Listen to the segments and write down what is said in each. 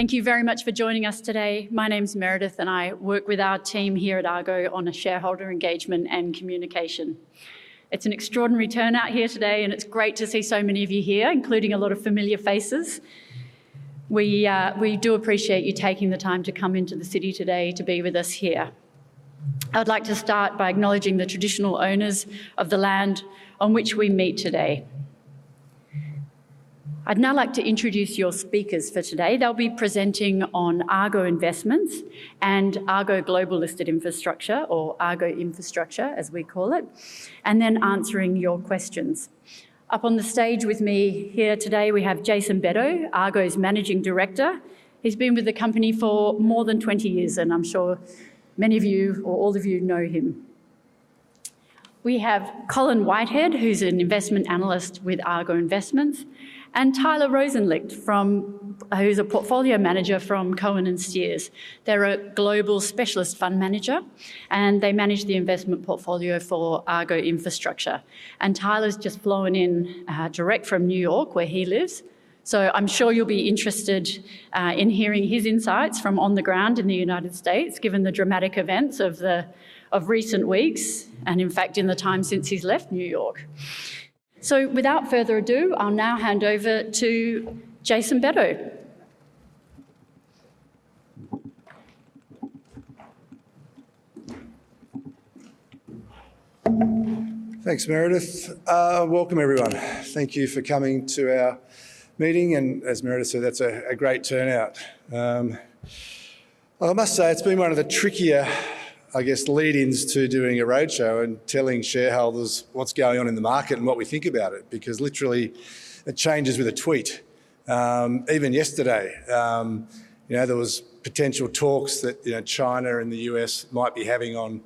Thank you very much for joining us today. My name's Meredith, and I work with our team here at Argo on shareholder engagement and communication. It's an extraordinary turnout here today, and it's great to see so many of you here, including a lot of familiar faces. We do appreciate you taking the time to come into the city today to be with us here. I'd like to start by acknowledging the traditional owners of the land on which we meet today. I'd now like to introduce your speakers for today. They'll be presenting on Argo Investments and Argo Global Listed Infrastructure, or Argo Infrastructure, as we call it, and then answering your questions. Up on the stage with me here today, we have Jason Beddow, Argo's Managing Director. He's been with the company for more than 20 years, and I'm sure many of you, or all of you, know him. We have Colin Whitehead, who's an investment analyst with Argo Investments, and Tyler Rosenlicht, who's a Portfolio Manager from Cohen & Steers. They're a global specialist fund manager, and they manage the investment portfolio for Argo Infrastructure. Tyler's just flown in direct from New York, where he lives. I'm sure you'll be interested in hearing his insights from on the ground in the United States, given the dramatic events of recent weeks, and in fact, in the time since he's left New York. Without further ado, I'll now hand over to Jason Beddow. Thanks, Meredith. Welcome, everyone. Thank you for coming to our meeting. As Meredith said, that's a great turnout. I must say, it's been one of the trickier, I guess, lead-ins to doing a roadshow and telling shareholders what's going on in the market and what we think about it, because literally, it changes with a tweet. Even yesterday, there were potential talks that China and the U.S. might be having on,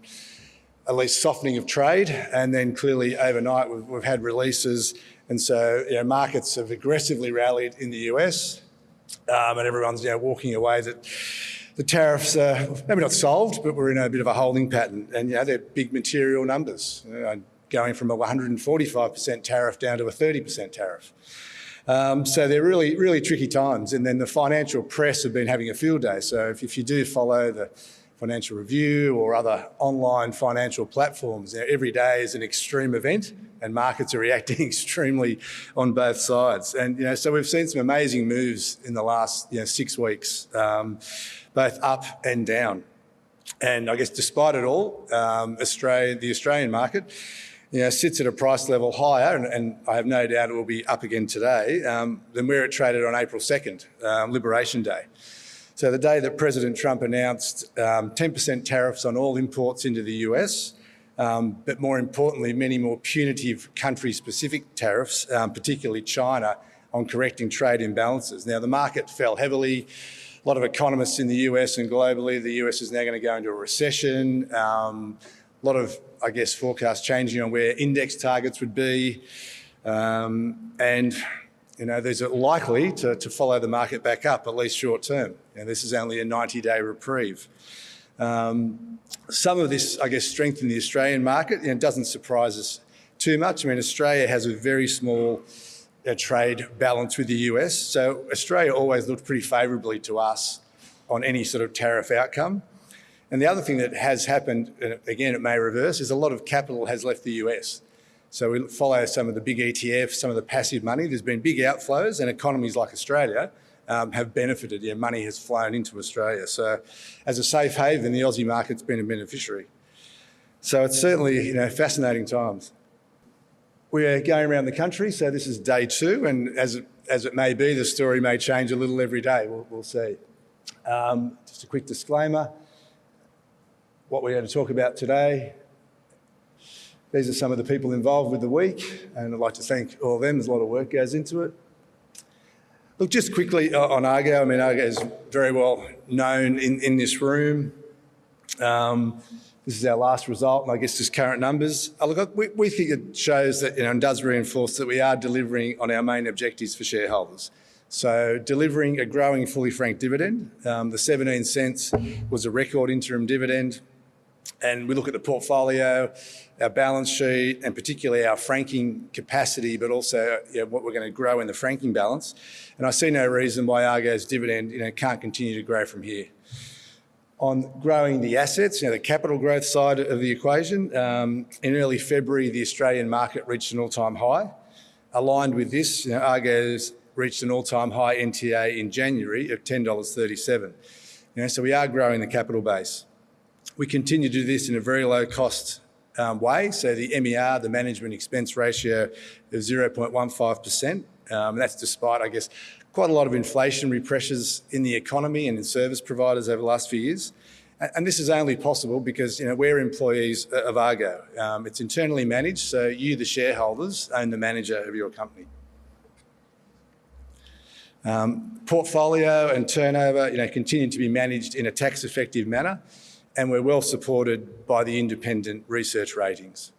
at least, softening of trade. Clearly, overnight, we've had releases. Markets have aggressively rallied in the U.S., and everyone's walking away that the tariffs are maybe not solved, but we're in a bit of a holding pattern. They're big material numbers, going from a 145% tariff down to a 30% tariff. They're really, really tricky times. The financial press have been having a field day. If you do follow the Financial Review or other online financial platforms, every day is an extreme event, and markets are reacting extremely on both sides. We have seen some amazing moves in the last six weeks, both up and down. I guess despite it all, the Australian market sits at a price level higher, and I have no doubt it will be up again today, than where it traded on April 2nd, Liberation Day, the day that President Trump announced 10% tariffs on all imports into the U.S., but more importantly, many more punitive country-specific tariffs, particularly China, on correcting trade imbalances. The market fell heavily. A lot of economists in the U.S. and globally, the U.S. is now going to go into a recession. A lot of, I guess, forecasts changing on where index targets would be. These are likely to follow the market back up, at least short term. This is only a 90-day reprieve. Some of this, I guess, strength in the Australian market does not surprise us too much. I mean, Australia has a very small trade balance with the U.S. Australia always looked pretty favorably to us on any sort of tariff outcome. The other thing that has happened, and again, it may reverse, is a lot of capital has left the U.S. We follow some of the big ETFs, some of the passive money. There have been big outflows, and economies like Australia have benefited. Money has flown into Australia. As a safe haven, the Aussie market has been a beneficiary. It is certainly fascinating times. We are going around the country, so this is day two. As it may be, the story may change a little every day. We'll see. Just a quick disclaimer, what we're going to talk about today, these are some of the people involved with the week. And I'd like to thank all of them. There's a lot of work that goes into it. Look, just quickly on Argo. I mean, Argo is very well known in this room. This is our last result, and I guess just current numbers. Look, we think it shows that and does reinforce that we are delivering on our main objectives for shareholders. So delivering a growing fully franked dividend. The 0.17 was a record interim dividend. And we look at the portfolio, our balance sheet, and particularly our franking capacity, but also what we're going to grow in the franking balance. And I see no reason why Argo's dividend can't continue to grow from here. On growing the assets, the capital growth side of the equation, in early February, the Australian market reached an all-time high. Aligned with this, Argo's reached an all-time high NTA in January of 10.37 dollars. We are growing the capital base. We continue to do this in a very low-cost way. The MER, the management expense ratio, is 0.15%. That is despite, I guess, quite a lot of inflationary pressures in the economy and in service providers over the last few years. This is only possible because we are employees of Argo. It is internally managed, so you, the shareholders, own the manager of your company. Portfolio and turnover continue to be managed in a tax-effective manner, and we are well supported by the independent research ratings.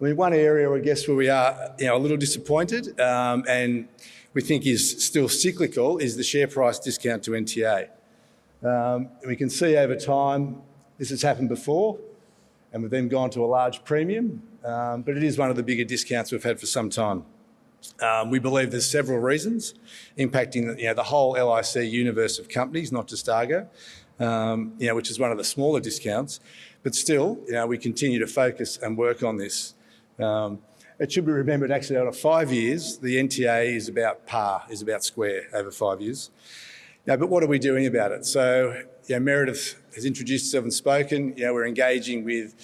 I mean, one area where I guess where we are a little disappointed, and we think is still cyclical, is the share price discount to NTA. We can see over time, this has happened before, and we have then gone to a large premium, but it is one of the bigger discounts we have had for some time. We believe there are several reasons impacting the whole LIC universe of companies, not just Argo, which is one of the smaller discounts. Still, we continue to focus and work on this. It should be remembered, actually, out of five years, the NTA is about par, is about square over five years. What are we doing about it? Meredith has introduced herself and spoken. We are engaging with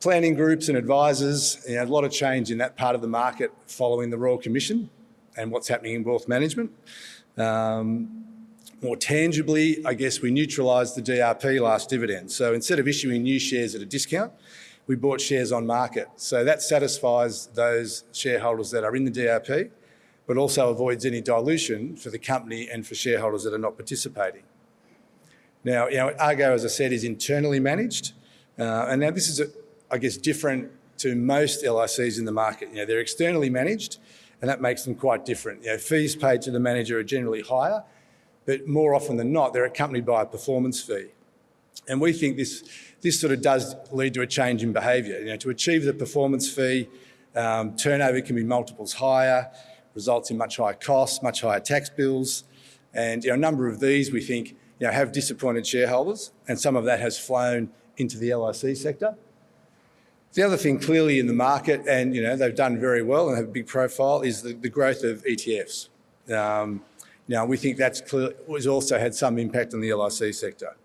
planning groups and advisors. There is a lot of change in that part of the market following the Royal Commission and what is happening in wealth management. More tangibly, I guess we neutralized the DRP last dividend. Instead of issuing new shares at a discount, we bought shares on market. That satisfies those shareholders that are in the DRP, but also avoids any dilution for the company and for shareholders that are not participating. Now, Argo, as I said, is internally managed. This is, I guess, different to most LICs in the market. They are externally managed, and that makes them quite different. Fees paid to the manager are generally higher, but more often than not, they are accompanied by a performance fee. We think this sort of does lead to a change in behavior. To achieve the performance fee, turnover can be multiples higher, results in much higher costs, much higher tax bills. A number of these, we think, have disappointed shareholders, and some of that has flown into the LIC sector. The other thing clearly in the market, and they've done very well and have a big profile, is the growth of ETFs. Now, we think that's also had some impact on the LIC sector.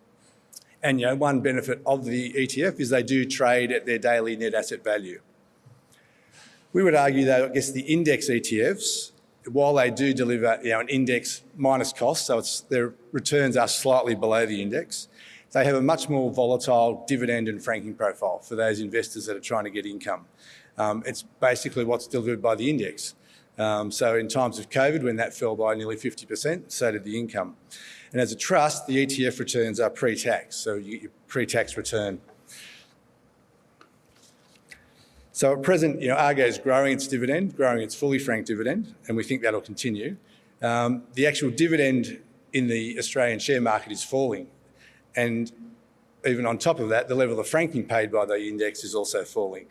One benefit of the ETF is they do trade at their daily net asset value. We would argue, though, I guess the index ETFs, while they do deliver an index minus cost, so their returns are slightly below the index, they have a much more volatile dividend and franking profile for those investors that are trying to get income. It's basically what's delivered by the index. In times of COVID, when that fell by nearly 50%, so did the income. As a trust, the ETF returns are pre-tax, so you get your pre-tax return. At present, Argo is growing its dividend, growing its fully franked dividend, and we think that'll continue. The actual dividend in the Australian share market is falling. Even on top of that, the level of franking paid by the index is also falling,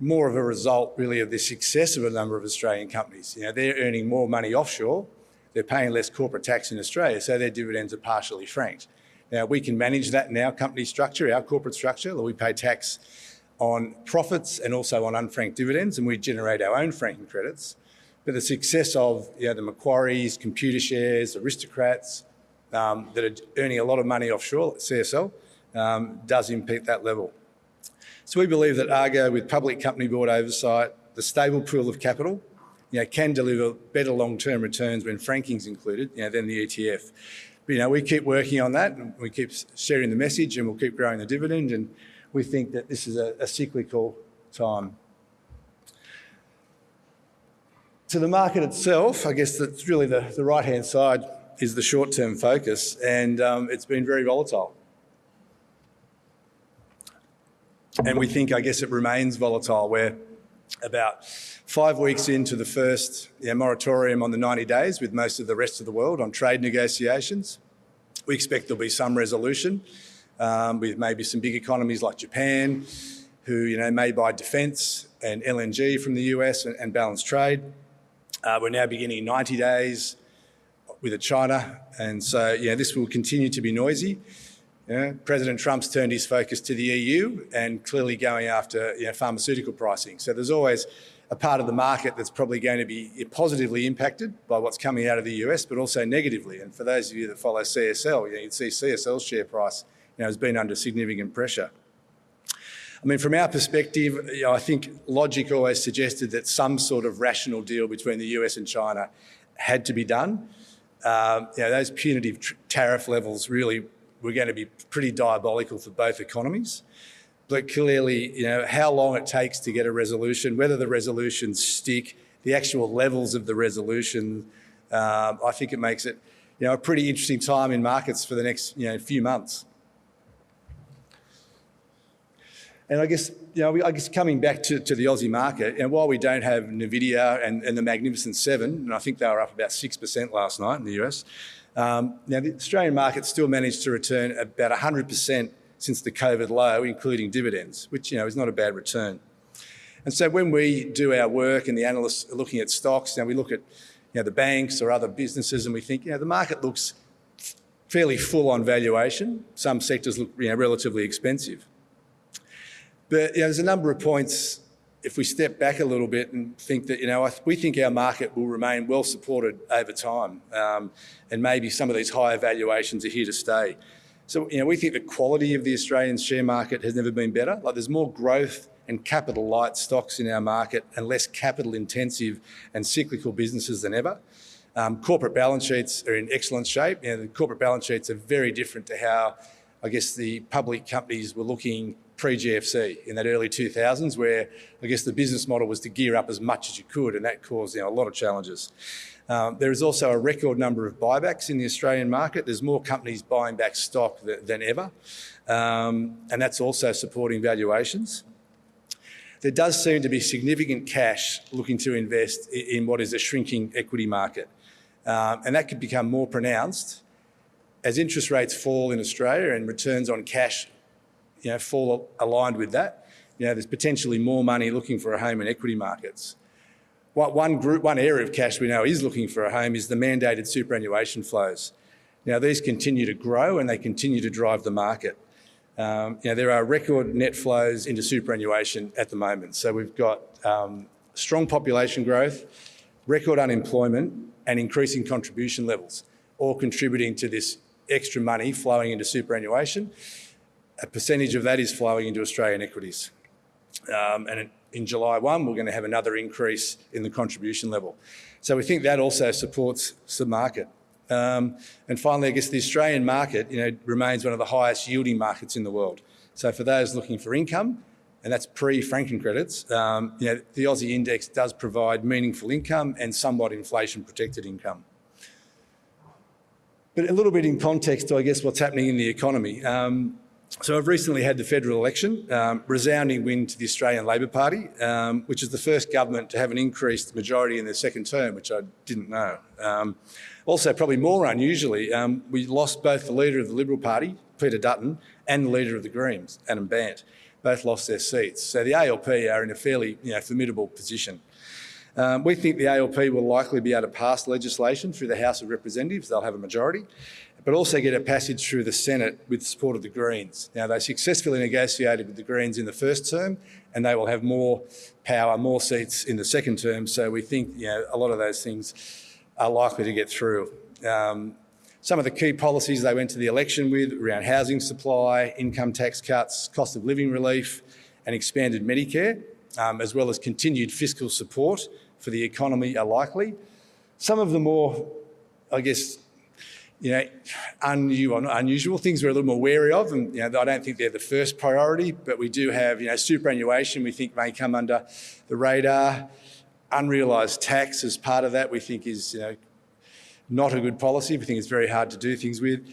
more of a result, really, of the success of a number of Australian companies. They're earning more money offshore. They're paying less corporate tax in Australia, so their dividends are partially franked. Now, we can manage that in our company structure, our corporate structure. We pay tax on profits and also on unfranked dividends, and we generate our own franking credits. The success of the Macquarie Group, Computershare, Aristocrat Leisure that are earning a lot of money offshore, CSL, does impede that level. We believe that Argo, with public company board oversight, the stable pool of capital, can deliver better long-term returns when franking's included than the ETF. We keep working on that, and we keep sharing the message, and we'll keep growing the dividend. We think that this is a cyclical time. To the market itself, I guess that's really the right-hand side is the short-term focus, and it's been very volatile. We think, I guess, it remains volatile. We're about five weeks into the first moratorium on the 90 days, with most of the rest of the world on trade negotiations. We expect there'll be some resolution with maybe some big economies like Japan, who may buy defense and LNG from the U.S., and balance trade. We're now beginning 90 days with China. This will continue to be noisy. President Trump's turned his focus to the EU and clearly going after pharmaceutical pricing. There's always a part of the market that's probably going to be positively impacted by what's coming out of the U.S., but also negatively. For those of you that follow CSL, you'd see CSL's share price has been under significant pressure. I mean, from our perspective, I think logic always suggested that some sort of rational deal between the U.S. and China had to be done. Those punitive tariff levels really were going to be pretty diabolical for both economies. Clearly, how long it takes to get a resolution, whether the resolutions stick, the actual levels of the resolution, I think it makes it a pretty interesting time in markets for the next few months. I guess coming back to the Aussie market, while we do not have NVIDIA and the Magnificent Seven, and I think they were up about 6% last night in the U.S., the Australian market still managed to return about 100% since the COVID low, including dividends, which is not a bad return. When we do our work and the analysts are looking at stocks, and we look at the banks or other businesses, we think the market looks fairly full on valuation. Some sectors look relatively expensive. There are a number of points if we step back a little bit and think that we think our market will remain well supported over time, and maybe some of these higher valuations are here to stay. We think the quality of the Australian share market has never been better. Is more growth and capital-light stocks in our market and less capital-intensive and cyclical businesses than ever. Corporate balance sheets are in excellent shape. Corporate balance sheets are very different to how, I guess, the public companies were looking pre-GFC in that early 2000s, where I guess the business model was to gear up as much as you could, and that caused a lot of challenges. There is also a record number of buybacks in the Australian market. There are more companies buying back stock than ever, and that is also supporting valuations. There does seem to be significant cash looking to invest in what is a shrinking equity market. That could become more pronounced as interest rates fall in Australia and returns on cash fall aligned with that. There is potentially more money looking for a home in equity markets. One area of cash we know is looking for a home is the mandated superannuation flows. Now, these continue to grow, and they continue to drive the market. There are record net flows into superannuation at the moment. We have strong population growth, record unemployment, and increasing contribution levels, all contributing to this extra money flowing into superannuation. A percentage of that is flowing into Australian equities. In July 1, we are going to have another increase in the contribution level. We think that also supports the market. Finally, I guess the Australian market remains one of the highest-yielding markets in the world. For those looking for income, and that is pre-franking credits, the Aussie index does provide meaningful income and somewhat inflation-protected income. A little bit in context to, I guess, what is happening in the economy. I've recently had the federal election, resounding win to the Australian Labor Party, which is the first government to have an increased majority in their second term, which I didn't know. Also, probably more unusually, we lost both the leader of the Liberal Party, Peter Dutton, and the leader of the Greens, Adam Bandt. Both lost their seats. The ALP are in a fairly formidable position. We think the ALP will likely be able to pass legislation through the House of Representatives. They'll have a majority, but also get a passage through the Senate with the support of the Greens. They successfully negotiated with the Greens in the first term, and they will have more power, more seats in the second term. We think a lot of those things are likely to get through. Some of the key policies they went to the election with around housing supply, income tax cuts, cost of living relief, and expanded Medicare, as well as continued fiscal support for the economy, are likely. Some of the more, I guess, unusual things we're a little more wary of, and I don't think they're the first priority, but we do have superannuation we think may come under the radar. Unrealised tax as part of that we think is not a good policy. We think it's very hard to do things with.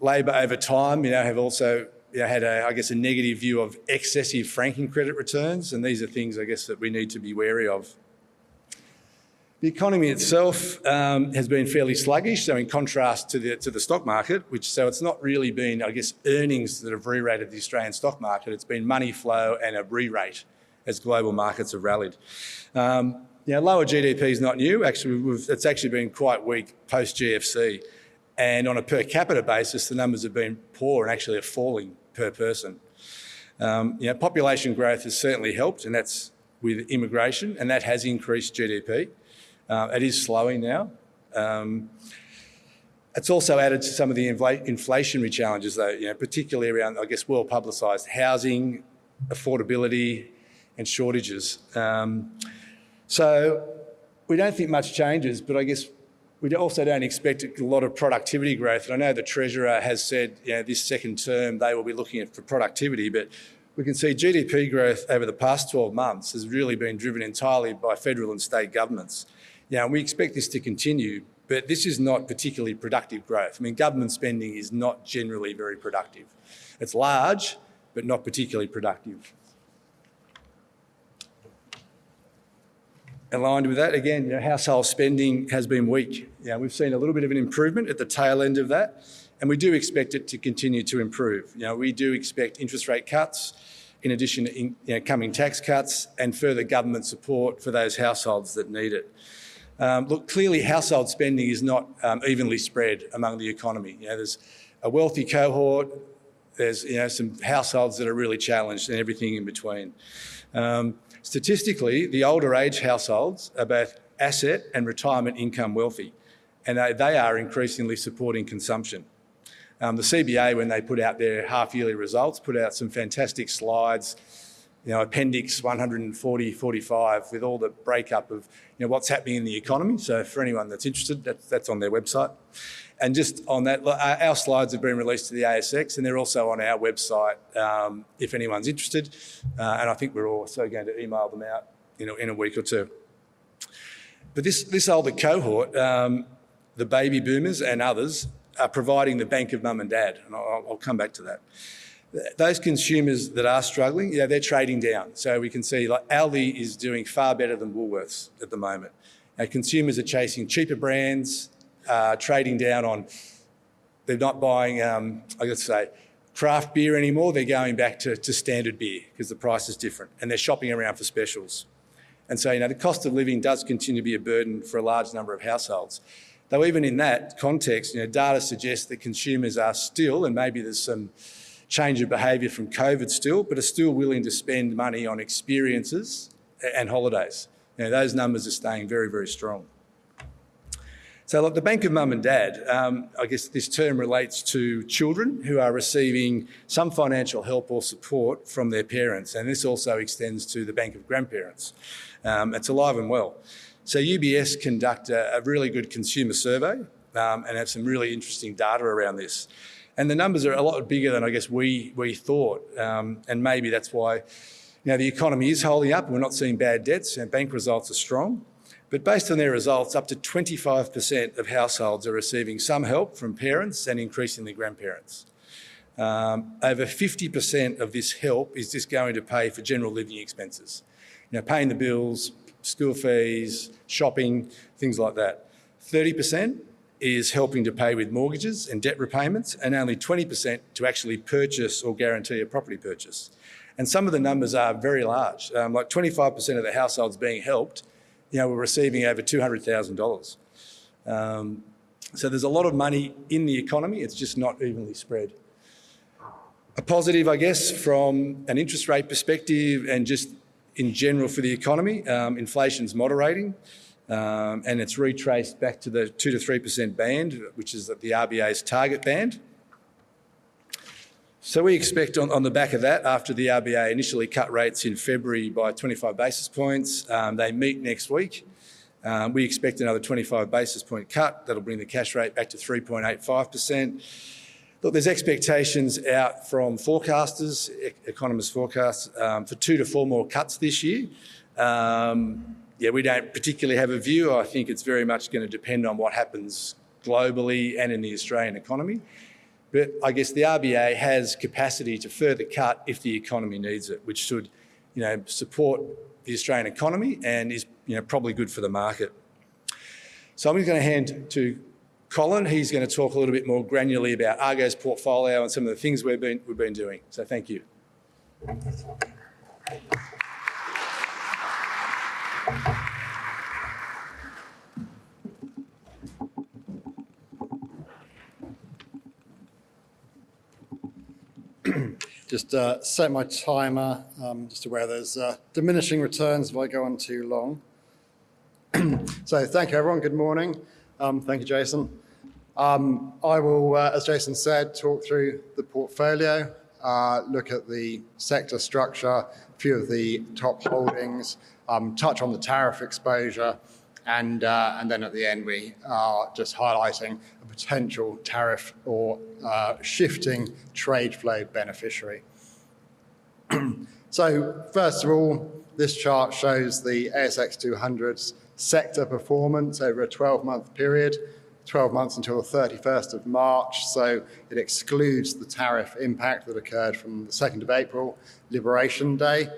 Labour over time have also had, I guess, a negative view of excessive franking credit returns, and these are things, I guess, that we need to be wary of. The economy itself has been fairly sluggish, so in contrast to the stock market, which, so it's not really been, I guess, earnings that have re-rated the Australian stock market. It's been money flow and a re-rate as global markets have rallied. Lower GDP is not new. It's actually been quite weak post-GFC. And on a per-capita basis, the numbers have been poor and actually are falling per person. Population growth has certainly helped, and that's with immigration, and that has increased GDP. It is slowing now. It's also added to some of the inflationary challenges, though, particularly around, I guess, well-publicised housing, affordability, and shortages. We do not think much changes, but I guess we also do not expect a lot of productivity growth. I know the Treasurer has said this second term they will be looking for productivity, but we can see GDP growth over the past 12 months has really been driven entirely by federal and state governments. We expect this to continue, but this is not particularly productive growth. I mean, government spending is not generally very productive. It is large, but not particularly productive. Aligned with that, again, household spending has been weak. We have seen a little bit of an improvement at the tail end of that, and we do expect it to continue to improve. We do expect interest rate cuts in addition to incoming tax cuts and further government support for those households that need it. Look, clearly, household spending is not evenly spread among the economy. There is a wealthy cohort. There are some households that are really challenged and everything in between. Statistically, the older age households are both asset and retirement income wealthy, and they are increasingly supporting consumption. CBA, when they put out their half-yearly results, put out some fantastic slides, Appendix 140, 45, with all the breakup of what is happening in the economy. For anyone that is interested, that is on their website. Just on that, our slides have been released to the ASX, and they're also on our website if anyone's interested. I think we're also going to email them out in a week or two. This older cohort, the baby boomers and others, are providing the bank of mum and dad. I'll come back to that. Those consumers that are struggling, they're trading down. We can see Aldi is doing far better than Woolworths at the moment. Consumers are chasing cheaper brands, trading down on they're not buying, I guess, craft beer anymore. They're going back to standard beer because the price is different, and they're shopping around for specials. The cost of living does continue to be a burden for a large number of households. Though even in that context, data suggests that consumers are still, and maybe there's some change of behaviour from COVID still, but are still willing to spend money on experiences and holidays. Those numbers are staying very, very strong. Look, the bank of mum and dad, I guess this term relates to children who are receiving some financial help or support from their parents. This also extends to the bank of grandparents. It's alive and well. UBS conduct a really good consumer survey and have some really interesting data around this. The numbers are a lot bigger than, I guess, we thought. Maybe that's why the economy is holding up. We're not seeing bad debts, and bank results are strong. Based on their results, up to 25% of households are receiving some help from parents and increasingly grandparents. Over 50% of this help is just going to pay for general living expenses, paying the bills, school fees, shopping, things like that. 30% is helping to pay with mortgages and debt repayments, and only 20% to actually purchase or guarantee a property purchase. And some of the numbers are very large. Like 25% of the households being helped, were receiving over 200,000 dollars. So there's a lot of money in the economy. It's just not evenly spread. A positive, I guess, from an interest rate perspective and just in general for the economy, inflation's moderating, and it's retraced back to the 2-3% band, which is the RBA's target band. We expect on the back of that, after the RBA initially cut rates in February by 25 basis points, they meet next week. We expect another 25 basis point cut that'll bring the cash rate back to 3.85%. Look, there's expectations out from forecasters, economists' forecasts, for two to four more cuts this year. Yeah, we don't particularly have a view. I think it's very much going to depend on what happens globally and in the Australian economy. I guess the RBA has capacity to further cut if the economy needs it, which should support the Australian economy and is probably good for the market. I'm going to hand to Colin. He's going to talk a little bit more granularly about Argo's portfolio and some of the things we've been doing. Thank you. Just set my timer just to where there's diminishing returns if I go on too long. Thank you, everyone. Good morning. Thank you, Jason. I will, as Jason said, talk through the portfolio, look at the sector structure, a few of the top holdings, touch on the tariff exposure, and then at the end, we are just highlighting a potential tariff or shifting trade flow beneficiary. First of all, this chart shows the ASX 200's sector performance over a 12-month period, 12 months until the 31st of March. It excludes the tariff impact that occurred from the 2nd of April, Liberation Day.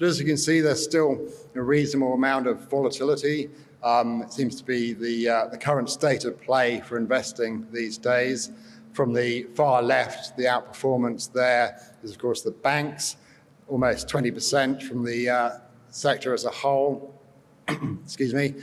As you can see, there's still a reasonable amount of volatility. It seems to be the current state of play for investing these days. From the far left, the outperformance there is, of course, the banks, almost 20% from the sector as a whole. Excuse me.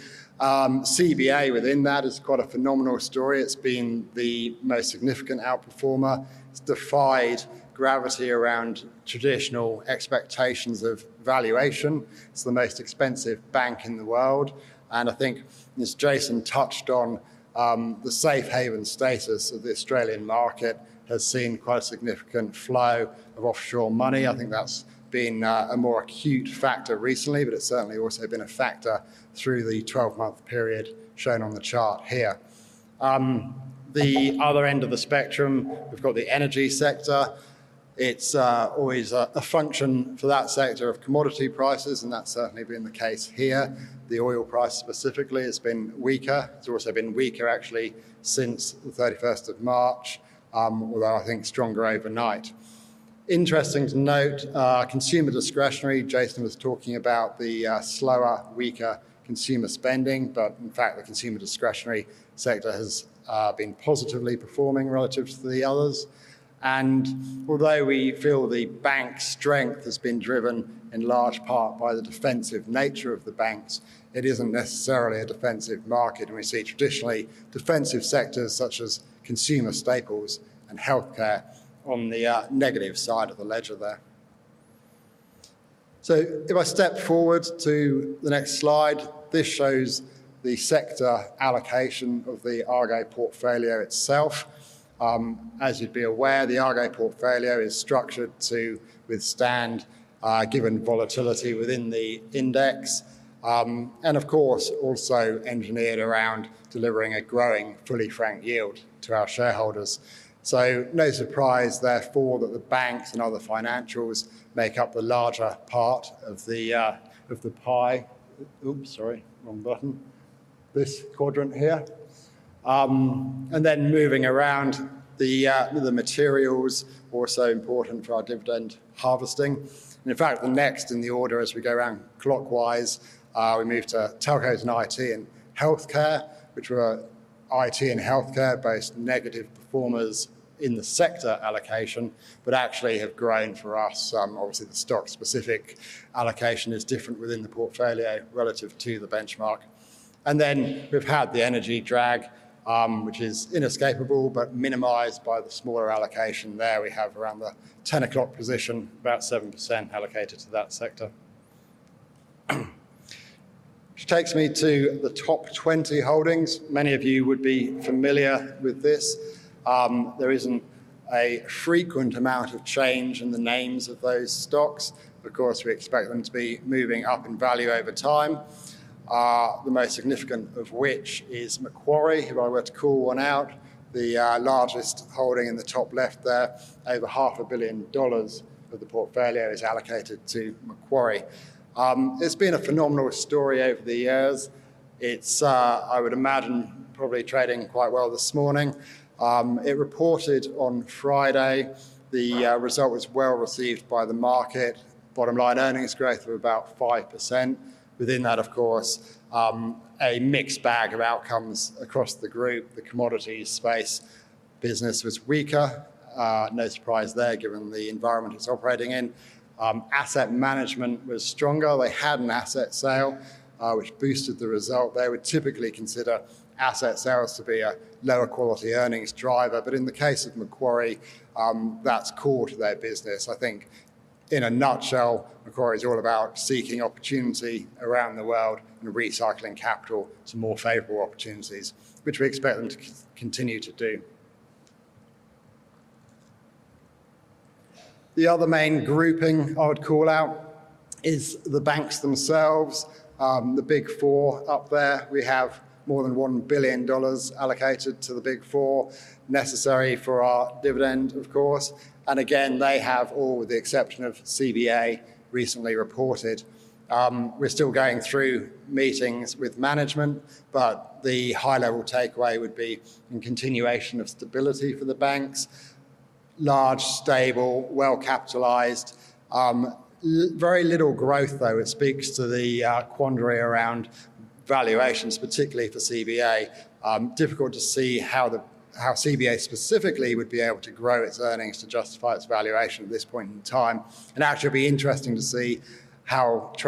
CBA within that is quite a phenomenal story. It's been the most significant outperformer. It's defied gravity around traditional expectations of valuation. It's the most expensive bank in the world. I think, as Jason touched on, the safe haven status of the Australian market has seen quite a significant flow of offshore money. I think that's been a more acute factor recently, but it's certainly also been a factor through the 12-month period shown on the chart here. At the other end of the spectrum, we've got the energy sector. It's always a function for that sector of commodity prices, and that's certainly been the case here. The oil price specifically has been weaker. It's also been weaker, actually, since the 31st of March, although I think stronger overnight. Interesting to note, consumer discretionary, Jason was talking about the slower, weaker consumer spending, but in fact, the consumer discretionary sector has been positively performing relative to the others. Although we feel the bank strength has been driven in large part by the defensive nature of the banks, it isn't necessarily a defensive market. We see traditionally defensive sectors such as consumer staples and healthcare on the negative side of the ledger there. If I step forward to the next slide, this shows the sector allocation of the Argo portfolio itself. As you'd be aware, the Argo portfolio is structured to withstand given volatility within the index and, of course, also engineered around delivering a growing fully franked yield to our shareholders. No surprise therefore that the banks and other financials make up the larger part of the pie. Oops, sorry, wrong button. This quadrant here. Moving around, the materials are also important for our dividend harvesting. In fact, the next in the order as we go around clockwise, we move to telcos and IT and healthcare, which were IT and healthcare-based negative performers in the sector allocation, but actually have grown for us. Obviously, the stock-specific allocation is different within the portfolio relative to the benchmark. We have had the energy drag, which is inescapable, but minimized by the smaller allocation there. We have around the 10 o'clock position, about 7% allocated to that sector. Which takes me to the top 20 holdings. Many of you would be familiar with this. There is not a frequent amount of change in the names of those stocks. Of course, we expect them to be moving up in value over time, the most significant of which is Macquarie, who I have had to call one out. The largest holding in the top left there, over 500,000,000 dollars of the portfolio is allocated to Macquarie. It's been a phenomenal story over the years. It's, I would imagine, probably trading quite well this morning. It reported on Friday. The result was well received by the market. Bottom line earnings growth of about 5%. Within that, of course, a mixed bag of outcomes across the group. The commodities space business was weaker. No surprise there given the environment it's operating in. Asset management was stronger. They had an asset sale, which boosted the result. They would typically consider asset sales to be a lower quality earnings driver. In the case of Macquarie, that's core to their business. I think in a nutshell, Macquarie is all about seeking opportunity around the world and recycling capital to more favourable opportunities, which we expect them to continue to do. The other main grouping I would call out is the banks themselves, the Big Four up there. We have more than 1 billion dollars allocated to the Big Four, necessary for our dividend, of course. They have all, with the exception of CBA, recently reported. We're still going through meetings with management, but the high-level takeaway would be a continuation of stability for the banks. Large, stable, well-capitalized. Very little growth, though. It speaks to the quandary around valuations, particularly for CBA. Difficult to see how CBA specifically would be able to grow its earnings to justify its valuation at this point in time. Actually, it'll be interesting to see how it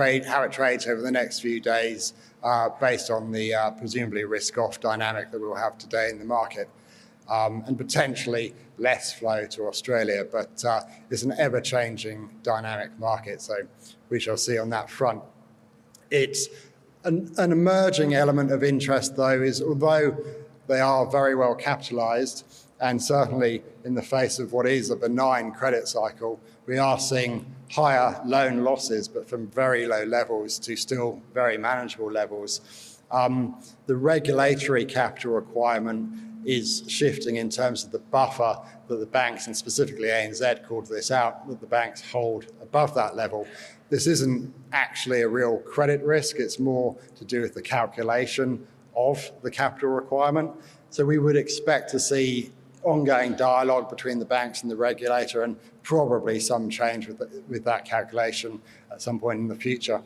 trades over the next few days based on the presumably risk-off dynamic that we'll have today in the market and potentially less flow to Australia. It's an ever-changing dynamic market, so we shall see on that front. It's an emerging element of interest, though, although they are very well-capitalized and certainly in the face of what is a benign credit cycle, we are seeing higher loan losses, but from very low levels to still very manageable levels. The regulatory capital requirement is shifting in terms of the buffer that the banks and specifically ANZ called this out, that the banks hold above that level. This isn't actually a real credit risk. It's more to do with the calculation of the capital requirement. We would expect to see ongoing dialogue between the banks and the regulator and probably some change with that calculation at some point in the future.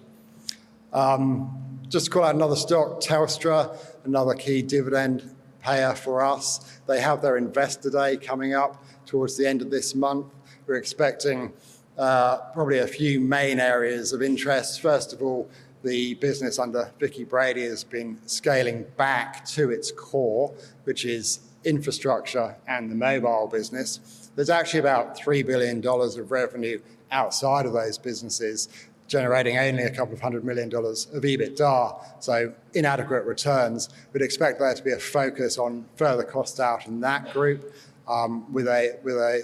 Just call out another stock, Telstra, another key dividend payer for us. They have their investor day coming up towards the end of this month. We're expecting probably a few main areas of interest. First of all, the business under Vicki Brady has been scaling back to its core, which is infrastructure and the mobile business. There's actually about 3 billion dollars of revenue outside of those businesses generating only a couple of hundred million dollars of EBITDA, so inadequate returns. We'd expect there to be a focus on further costs out in that group with a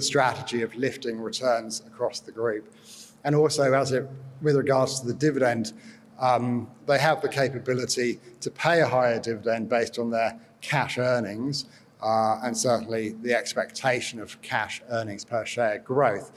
strategy of lifting returns across the group. Also, with regards to the dividend, they have the capability to pay a higher dividend based on their cash earnings and certainly the expectation of cash earnings per share growth.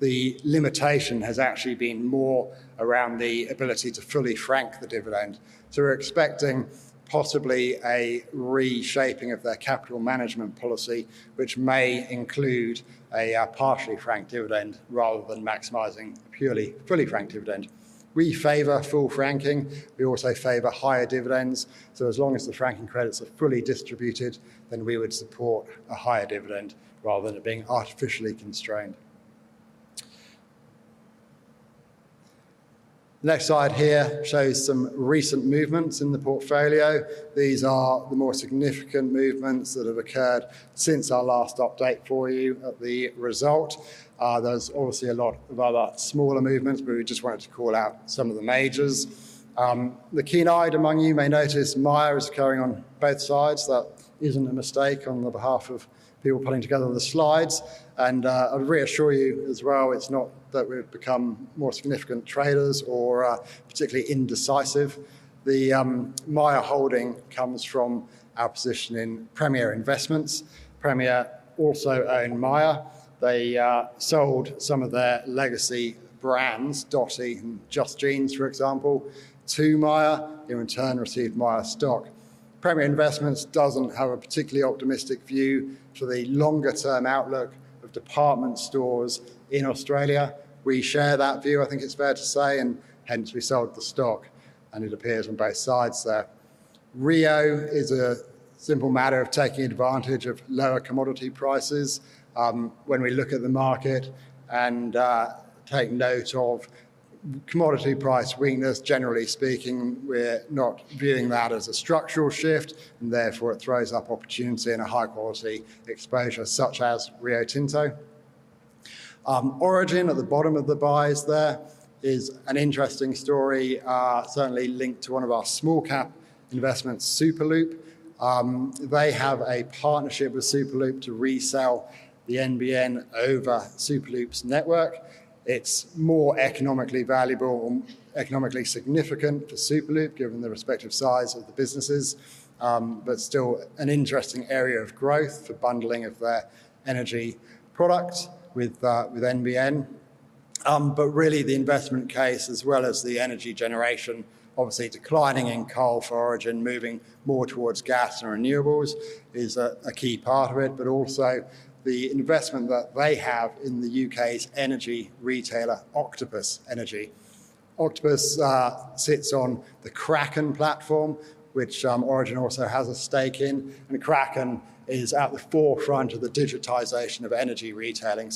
The limitation has actually been more around the ability to fully frank the dividend. We're expecting possibly a reshaping of their capital management policy, which may include a partially franked dividend rather than maximizing a purely fully franked dividend. We favour full franking. We also favour higher dividends. As long as the franking credits are fully distributed, then we would support a higher dividend rather than it being artificially constrained. The next slide here shows some recent movements in the portfolio. These are the more significant movements that have occurred since our last update for you of the result. There are obviously a lot of other smaller movements, but we just wanted to call out some of the majors. The keen eyed among you may notice Myer is occurring on both sides. That is not a mistake on the behalf of people pulling together the slides. I would reassure you as well, it is not that we have become more significant traders or particularly indecisive. The Myer holding comes from our position in Premier Investments. Premier also owned Myer. They sold some of their legacy brands, Dotti and Just Jeans, for example, to Myer. They in turn received Myer stock. Premier Investments doesn't have a particularly optimistic view for the longer-term outlook of department stores in Australia. We share that view, I think it's fair to say, and hence we sold the stock, and it appears on both sides there. Rio is a simple matter of taking advantage of lower commodity prices when we look at the market and take note of commodity price weakness. Generally speaking, we're not viewing that as a structural shift, and therefore it throws up opportunity and a high-quality exposure such as Rio Tinto. Origin at the bottom of the buys there is an interesting story, certainly linked to one of our small-cap investments, Superloop. They have a partnership with Superloop to resell the NBN over Superloop's network. It's more economically valuable or economically significant for Superloop given the respective size of the businesses, but still an interesting area of growth for bundling of their energy products with NBN. Really, the investment case, as well as the energy generation, obviously declining in coal for Origin, moving more towards gas and renewables is a key part of it, but also the investment that they have in the U.K.'s energy retailer, Octopus Energy. Octopus sits on the Kraken platform, which Origin also has a stake in, and Kraken is at the forefront of the digitalisation of energy retailing.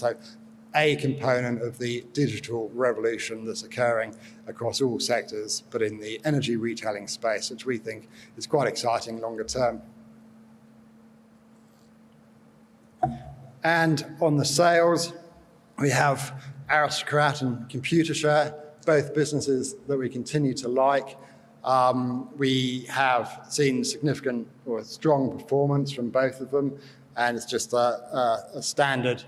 A component of the digital revolution that's occurring across all sectors, but in the energy retailing space, which we think is quite exciting longer term. On the sales, we have Aristocrat and Computershare, both businesses that we continue to like. We have seen significant or strong performance from both of them, and it's just a standard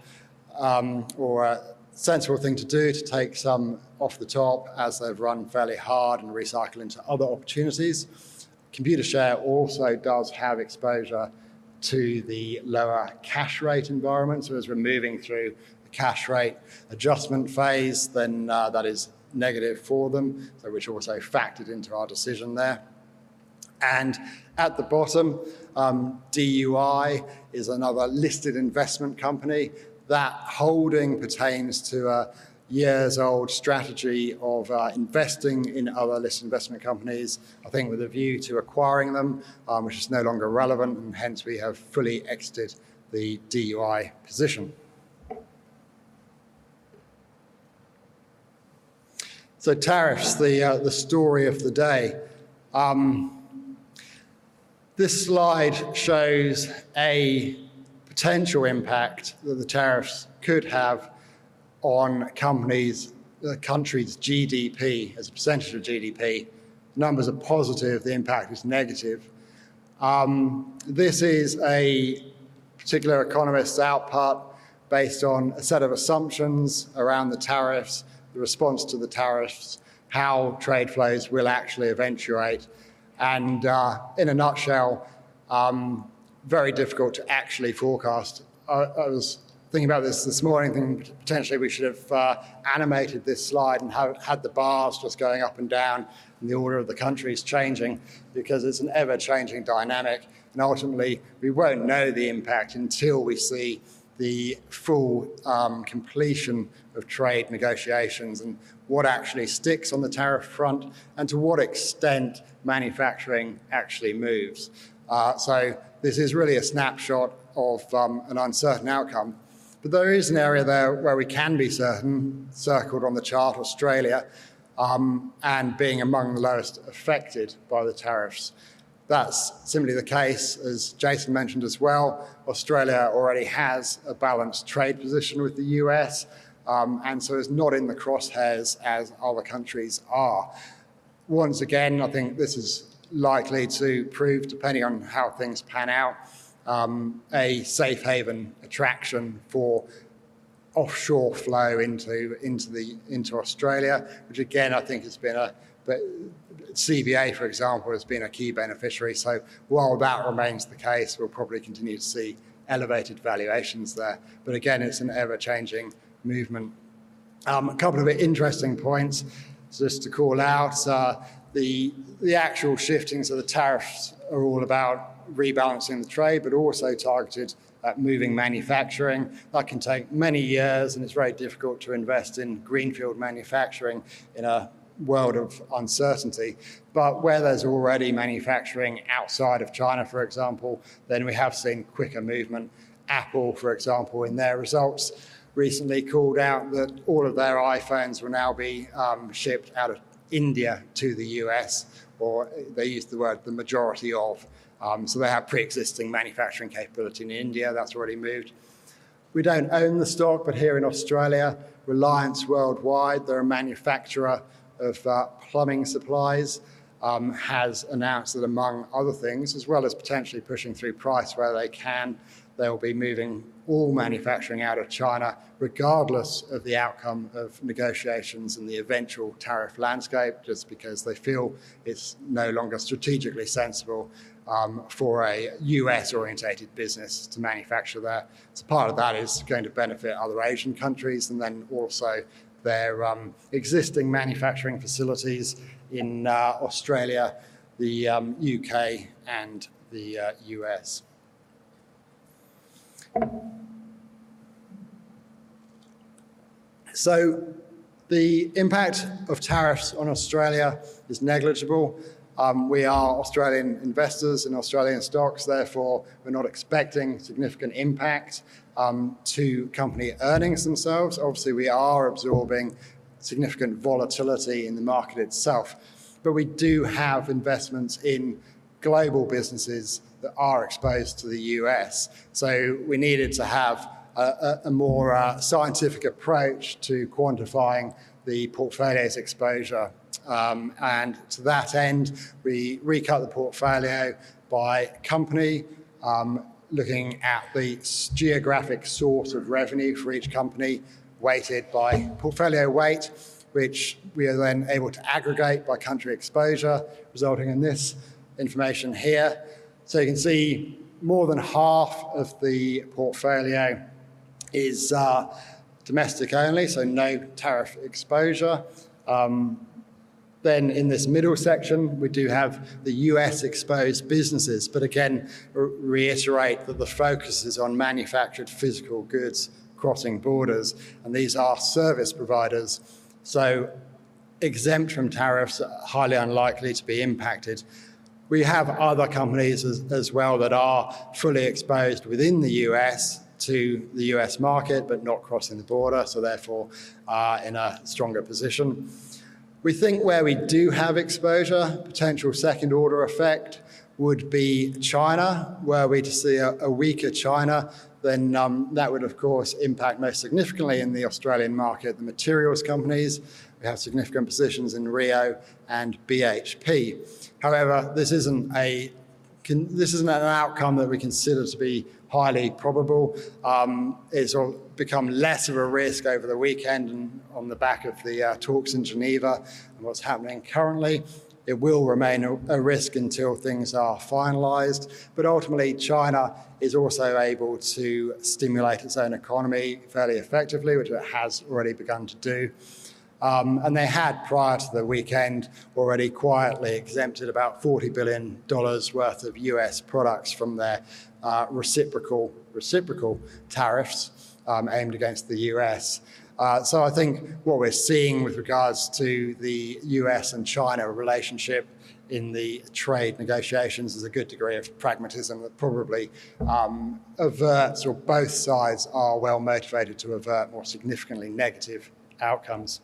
or a sensible thing to do to take some off the top as they've run fairly hard and recycle into other opportunities. Computershare also does have exposure to the lower cash rate environment. As we're moving through the cash rate adjustment phase, that is negative for them, which also factored into our decision there. At the bottom, DUI is another listed investment company. That holding pertains to a years-old strategy of investing in other listed investment companies, I think with a view to acquiring them, which is no longer relevant, and hence we have fully exited the DUI position. Tariffs, the story of the day. This slide shows a potential impact that the tariffs could have on countries' GDP as a percentage of GDP. Numbers are positive. The impact is negative. This is a particular economist's output based on a set of assumptions around the tariffs, the response to the tariffs, how trade flows will actually eventuate. In a nutshell, very difficult to actually forecast. I was thinking about this this morning, thinking potentially we should have animated this slide and had the bars just going up and down in the order of the countries changing because it is an ever-changing dynamic. Ultimately, we will not know the impact until we see the full completion of trade negotiations and what actually sticks on the tariff front and to what extent manufacturing actually moves. This is really a snapshot of an uncertain outcome. There is an area there where we can be certain, circled on the chart, Australia, and being among the lowest affected by the tariffs. That is simply the case, as Jason mentioned as well. Australia already has a balanced trade position with the US, and so it's not in the crosshairs as other countries are. Once again, I think this is likely to prove, depending on how things pan out, a safe haven attraction for offshore flow into Australia, which again, I think has been a CBA, for example, has been a key beneficiary. While that remains the case, we'll probably continue to see elevated valuations there. Again, it's an ever-changing movement. A couple of interesting points just to call out. The actual shiftings of the tariffs are all about rebalancing the trade, but also targeted at moving manufacturing. That can take many years, and it's very difficult to invest in greenfield manufacturing in a world of uncertainty. Where there's already manufacturing outside of China, for example, then we have seen quicker movement. Apple, for example, in their results recently called out that all of their iPhones will now be shipped out of India to the U.S., or they used the word the majority of. So they have pre-existing manufacturing capability in India. That's already moved. We don't own the stock, but here in Australia, Reliance Worldwide, their manufacturer of plumbing supplies, has announced that among other things, as well as potentially pushing through price where they can, they will be moving all manufacturing out of China regardless of the outcome of negotiations and the eventual tariff landscape, just because they feel it's no longer strategically sensible for a U.S.-orientated business to manufacture there. Part of that is going to benefit other Asian countries and then also their existing manufacturing facilities in Australia, the U.K., and the U.S. The impact of tariffs on Australia is negligible. We are Australian investors in Australian stocks. Therefore, we're not expecting significant impact to company earnings themselves. Obviously, we are absorbing significant volatility in the market itself, but we do have investments in global businesses that are exposed to the U.S. We needed to have a more scientific approach to quantifying the portfolio's exposure. To that end, we recut the portfolio by company, looking at the geographic source of revenue for each company weighted by portfolio weight, which we are then able to aggregate by country exposure, resulting in this information here. You can see more than half of the portfolio is domestic only, so no tariff exposure. In this middle section, we do have the U.S.-exposed businesses. Again, reiterate that the focus is on manufactured physical goods crossing borders, and these are service providers. Exempt from tariffs, highly unlikely to be impacted. We have other companies as well that are fully exposed within the U.S. to the U.S. market, but not crossing the border, so therefore in a stronger position. We think where we do have exposure, potential second-order effect would be China. Were we to see a weaker China, then that would, of course, impact most significantly in the Australian market, the materials companies. We have significant positions in Rio Tinto and BHP. However, this is not an outcome that we consider to be highly probable. It has become less of a risk over the weekend and on the back of the talks in Geneva and what is happening currently. It will remain a risk until things are finalized. Ultimately, China is also able to stimulate its own economy fairly effectively, which it has already begun to do. They had, prior to the weekend, already quietly exempted about $40 billion worth of U.S. products from their reciprocal tariffs aimed against the U.S. I think what we're seeing with regards to the U.S. and China relationship in the trade negotiations is a good degree of pragmatism that probably avert or both sides are well motivated to avert more significantly negative outcomes.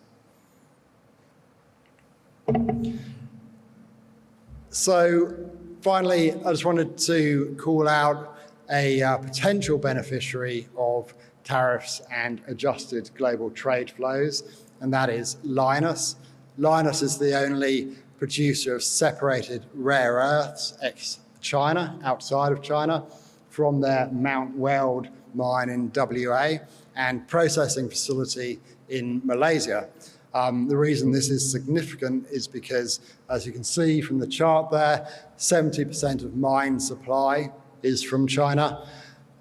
Finally, I just wanted to call out a potential beneficiary of tariffs and adjusted global trade flows, and that is Lynas. Lynas is the only producer of separated rare earths ex-China, outside of China, from their Mount Weld mine in Western Australia and processing facility in Malaysia. The reason this is significant is because, as you can see from the chart there, 70% of mine supply is from China.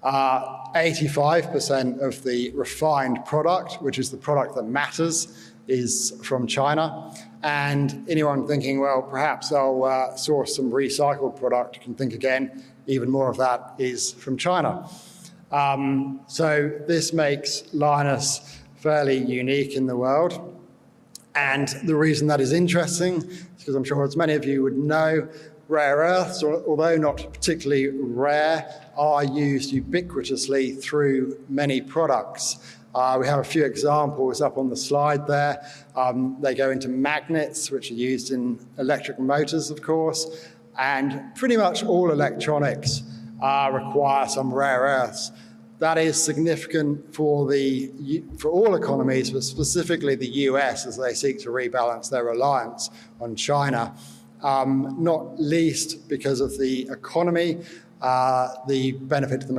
85% of the refined product, which is the product that matters, is from China. Anyone thinking, "Perhaps I'll source some recycled product," can think again, even more of that is from China. This makes Lynas fairly unique in the world. The reason that is interesting is because, as many of you would know, rare earths, although not particularly rare, are used ubiquitously through many products. We have a few examples up on the slide there. They go into magnets, which are used in electric motors, of course, and pretty much all electronics require some rare earths. That is significant for all economies, but specifically the U.S., as they seek to rebalance their reliance on China, not least because of the economy, the benefit to the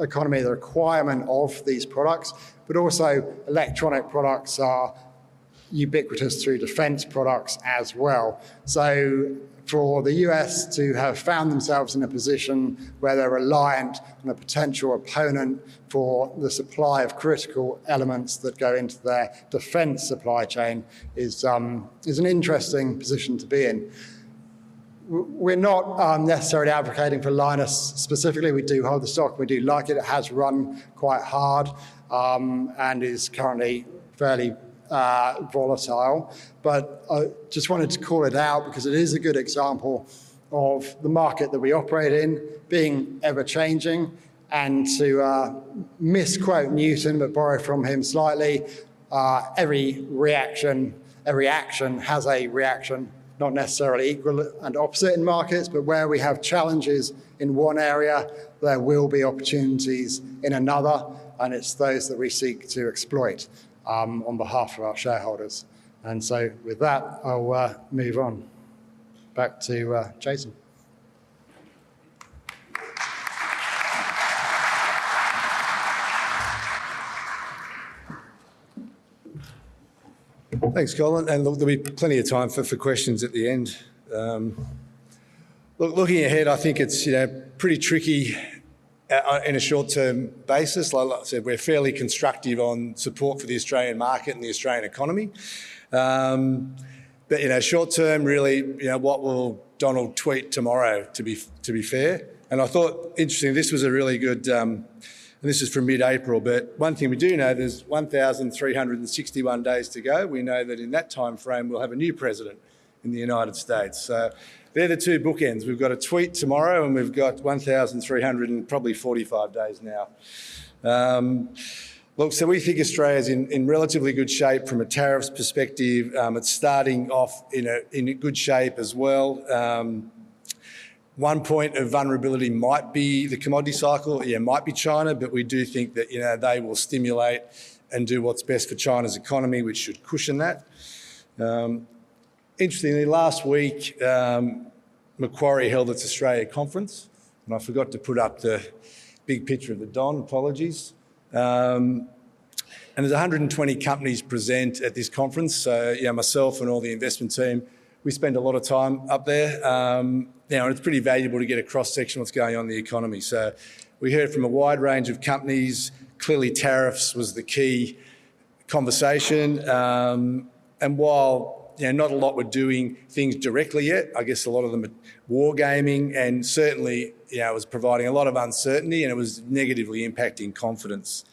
economy, the requirement of these products, but also electronic products are ubiquitous through defense products as well. For the U.S. to have found themselves in a position where they're reliant on a potential opponent for the supply of critical elements that go into their defense supply chain is an interesting position to be in. We're not necessarily advocating for Lynas specifically. We do hold the stock. We do like it. It has run quite hard and is currently fairly volatile. I just wanted to call it out because it is a good example of the market that we operate in being ever-changing. To misquote Newton, but borrow from him slightly, every reaction has a reaction, not necessarily equal and opposite in markets, but where we have challenges in one area, there will be opportunities in another, and it's those that we seek to exploit on behalf of our shareholders. With that, I'll move on back to Jason. Thanks, Colin. There will be plenty of time for questions at the end. Looking ahead, I think it is pretty tricky on a short-term basis. Like I said, we are fairly constructive on support for the Australian market and the Australian economy. Short-term, really, what will Donald tweet tomorrow, to be fair? I thought, interestingly, this was a really good, and this is from mid-April, but one thing we do know, there are 1,361 days to go. We know that in that timeframe, we will have a new president in the United States. They are the two bookends. We have a tweet tomorrow, and we have 1,345 days now. We think Australia is in relatively good shape from a tariffs perspective. It is starting off in good shape as well. One point of vulnerability might be the commodity cycle. It might be China, but we do think that they will stimulate and do what's best for China's economy, which should cushion that. Interestingly, last week, Macquarie held its Australia conference, and I forgot to put up the big picture of the Don, apologies. There were 120 companies present at this conference. Myself and all the investment team, we spend a lot of time up there. It is pretty valuable to get a cross-section of what's going on in the economy. We heard from a wide range of companies. Clearly, tariffs was the key conversation. While not a lot were doing things directly yet, I guess a lot of them were war gaming, and certainly it was providing a lot of uncertainty, and it was negatively impacting confidence.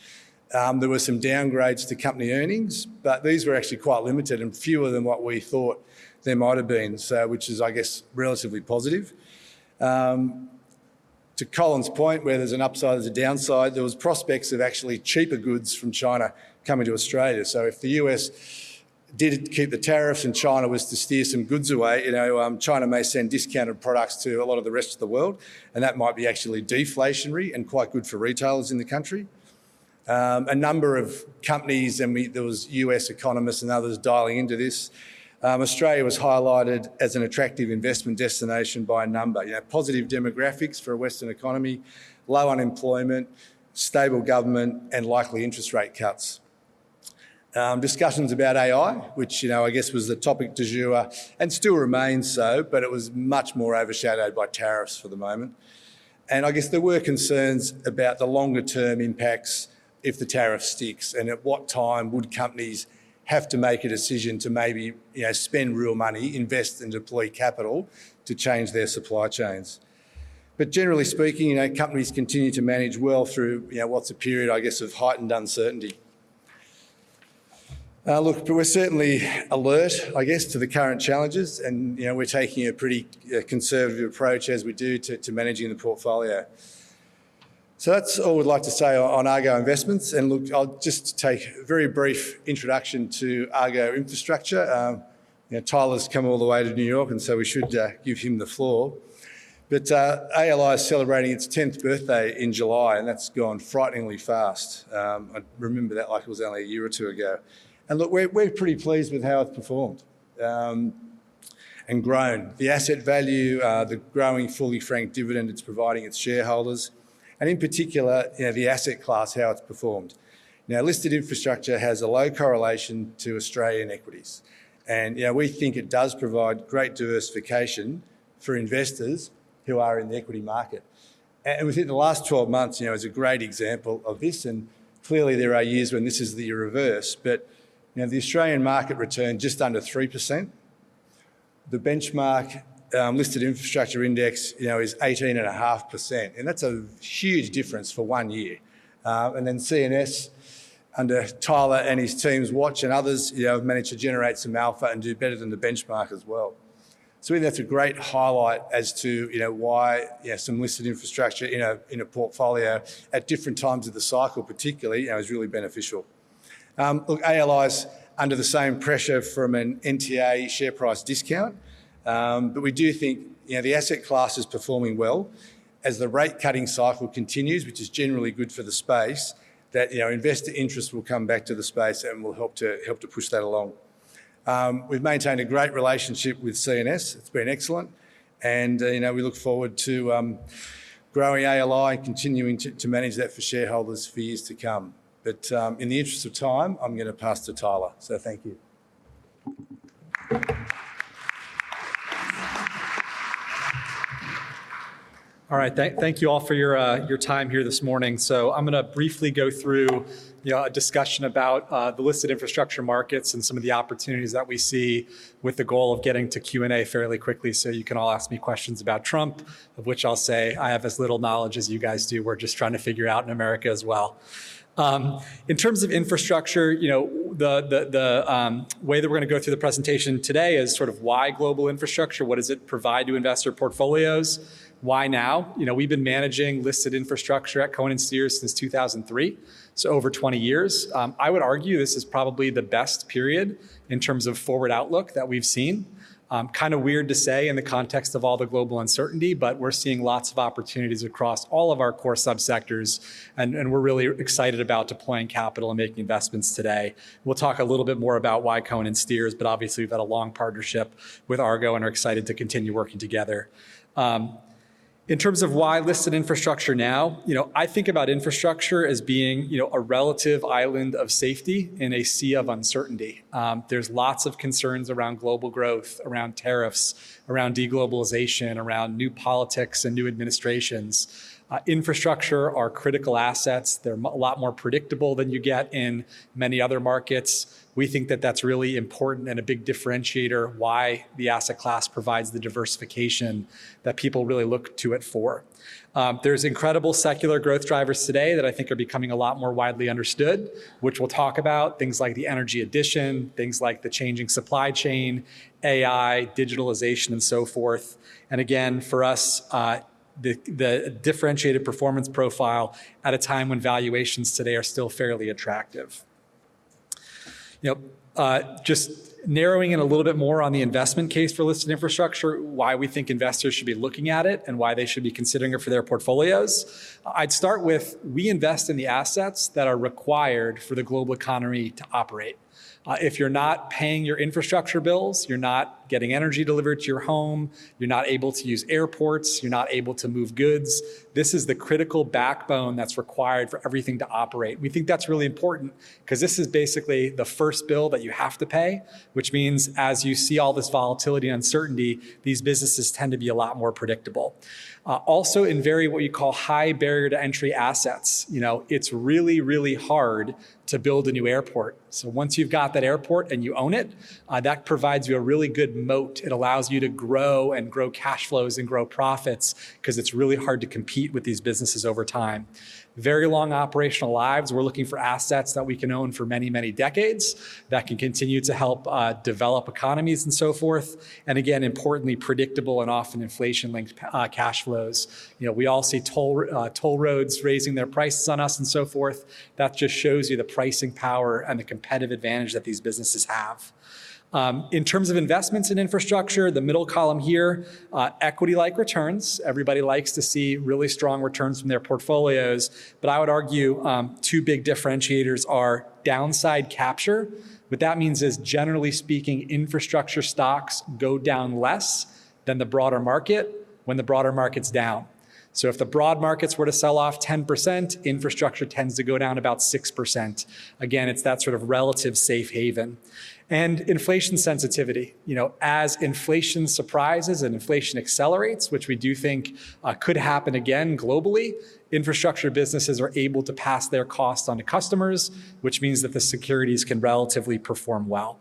There were some downgrades to company earnings, but these were actually quite limited and fewer than what we thought there might have been, which is, I guess, relatively positive. To Colin's point, where there's an upside, there's a downside. There were prospects of actually cheaper goods from China coming to Australia. If the U.S. did keep the tariffs and China was to steer some goods away, China may send discounted products to a lot of the rest of the world, and that might be actually deflationary and quite good for retailers in the country. A number of companies, and there were U.S. economists and others dialing into this. Australia was highlighted as an attractive investment destination by a number. Positive demographics for a Western economy, low unemployment, stable government, and likely interest rate cuts. Discussions about AI, which I guess was the topic du jour and still remains so, but it was much more overshadowed by tariffs for the moment. I guess there were concerns about the longer-term impacts if the tariff sticks and at what time would companies have to make a decision to maybe spend real money, invest, and deploy capital to change their supply chains. Generally speaking, companies continue to manage well through what's a period, I guess, of heightened uncertainty. Look, we're certainly alert, I guess, to the current challenges, and we're taking a pretty conservative approach as we do to managing the portfolio. That's all we'd like to say on Argo Investments. Look, I'll just take a very brief introduction to Argo Infrastructure. Tyler's come all the way to New York, and we should give him the floor. ALI is celebrating its 10th birthday in July, and that's gone frighteningly fast. I remember that like it was only a year or two ago. Look, we're pretty pleased with how it's performed and grown. The asset value, the growing fully franked dividend it's providing its shareholders, and in particular, the asset class, how it's performed. Now, listed infrastructure has a low correlation to Australian equities, and we think it does provide great diversification for investors who are in the equity market. Within the last 12 months, it's a great example of this, and clearly there are years when this is the reverse. The Australian market returned just under 3%. The benchmark listed infrastructure index is 18.5%, and that's a huge difference for one year. CNS, under Tyler and his team's watch and others, managed to generate some alpha and do better than the benchmark as well. That is a great highlight as to why some listed infrastructure in a portfolio at different times of the cycle, particularly, is really beneficial. Look, ALI is under the same pressure from an NTA share price discount, but we do think the asset class is performing well as the rate-cutting cycle continues, which is generally good for the space, that investor interest will come back to the space and will help to push that along. We have maintained a great relationship with CNS. It has been excellent, and we look forward to growing ALI and continuing to manage that for shareholders for years to come. In the interest of time, I am going to pass to Tyler. Thank you. All right. Thank you all for your time here this morning. I'm going to briefly go through a discussion about the listed infrastructure markets and some of the opportunities that we see with the goal of getting to Q&A fairly quickly so you can all ask me questions about Trump, of which I'll say I have as little knowledge as you guys do. We're just trying to figure out in America as well. In terms of infrastructure, the way that we're going to go through the presentation today is sort of why global infrastructure? What does it provide to investor portfolios? Why now? We've been managing listed infrastructure at Cohen & Steers since 2003, so over 20 years. I would argue this is probably the best period in terms of forward outlook that we've seen. Kind of weird to say in the context of all the global uncertainty, but we're seeing lots of opportunities across all of our core subsectors, and we're really excited about deploying capital and making investments today. We'll talk a little bit more about why Cohen & Steers, but obviously we've had a long partnership with Argo and are excited to continue working together. In terms of why listed infrastructure now, I think about infrastructure as being a relative island of safety in a sea of uncertainty. There's lots of concerns around global growth, around tariffs, around deglobalisation, around new politics and new administrations. Infrastructure are critical assets. They're a lot more predictable than you get in many other markets. We think that that's really important and a big differentiator why the asset class provides the diversification that people really look to it for. There's incredible secular growth drivers today that I think are becoming a lot more widely understood, which we'll talk about, things like the energy addition, things like the changing supply chain, AI, digitalisation, and so forth. Again, for us, the differentiated performance profile at a time when valuations today are still fairly attractive. Just narrowing in a little bit more on the investment case for listed infrastructure, why we think investors should be looking at it and why they should be considering it for their portfolios. I'd start with we invest in the assets that are required for the global economy to operate. If you're not paying your infrastructure bills, you're not getting energy delivered to your home, you're not able to use airports, you're not able to move goods, this is the critical backbone that's required for everything to operate. We think that's really important because this is basically the first bill that you have to pay, which means as you see all this volatility and uncertainty, these businesses tend to be a lot more predictable. Also, in very what you call high barrier to entry assets, it's really, really hard to build a new airport. Once you've got that airport and you own it, that provides you a really good moat. It allows you to grow and grow cash flows and grow profits because it's really hard to compete with these businesses over time. Very long operational lives. We're looking for assets that we can own for many, many decades that can continue to help develop economies and so forth. Again, importantly, predictable and often inflation-linked cash flows. We all see toll roads raising their prices on us and so forth. That just shows you the pricing power and the competitive advantage that these businesses have. In terms of investments in infrastructure, the middle column here, equity-like returns. Everybody likes to see really strong returns from their portfolios, but I would argue two big differentiators are downside capture. What that means is, generally speaking, infrastructure stocks go down less than the broader market when the broader market's down. If the broad markets were to sell off 10%, infrastructure tends to go down about 6%. It is that sort of relative safe haven. Inflation sensitivity. As inflation surprises and inflation accelerates, which we do think could happen again globally, infrastructure businesses are able to pass their costs on to customers, which means that the securities can relatively perform well.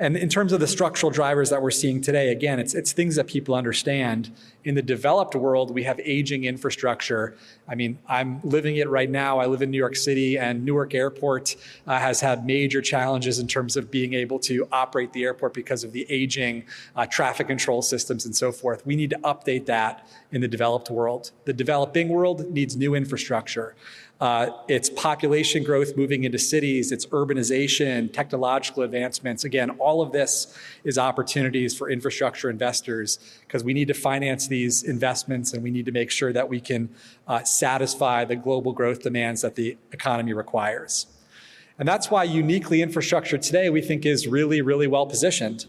In terms of the structural drivers that we are seeing today, it is things that people understand. In the developed world, we have aging infrastructure. I mean, I'm living it right now. I live in New York City, and Newark Airport has had major challenges in terms of being able to operate the airport because of the aging traffic control systems and so forth. We need to update that in the developed world. The developing world needs new infrastructure. It's population growth moving into cities, it's urbanisation, technological advancements. Again, all of this is opportunities for infrastructure investors because we need to finance these investments, and we need to make sure that we can satisfy the global growth demands that the economy requires. That is why uniquely infrastructure today, we think, is really, really well positioned.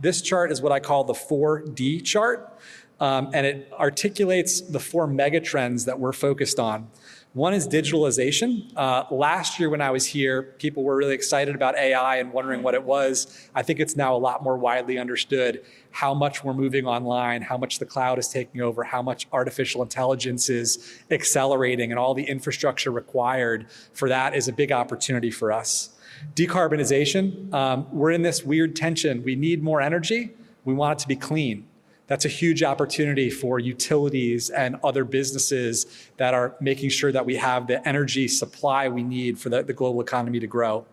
This chart is what I call the 4D chart, and it articulates the four mega trends that we're focused on. One is digitalisation. Last year, when I was here, people were really excited about AI and wondering what it was. I think it's now a lot more widely understood how much we're moving online, how much the cloud is taking over, how much artificial intelligence is accelerating, and all the infrastructure required for that is a big opportunity for us. Decarbonisation. We're in this weird tension. We need more energy. We want it to be clean. That's a huge opportunity for utilities and other businesses that are making sure that we have the energy supply we need for the global economy to grow.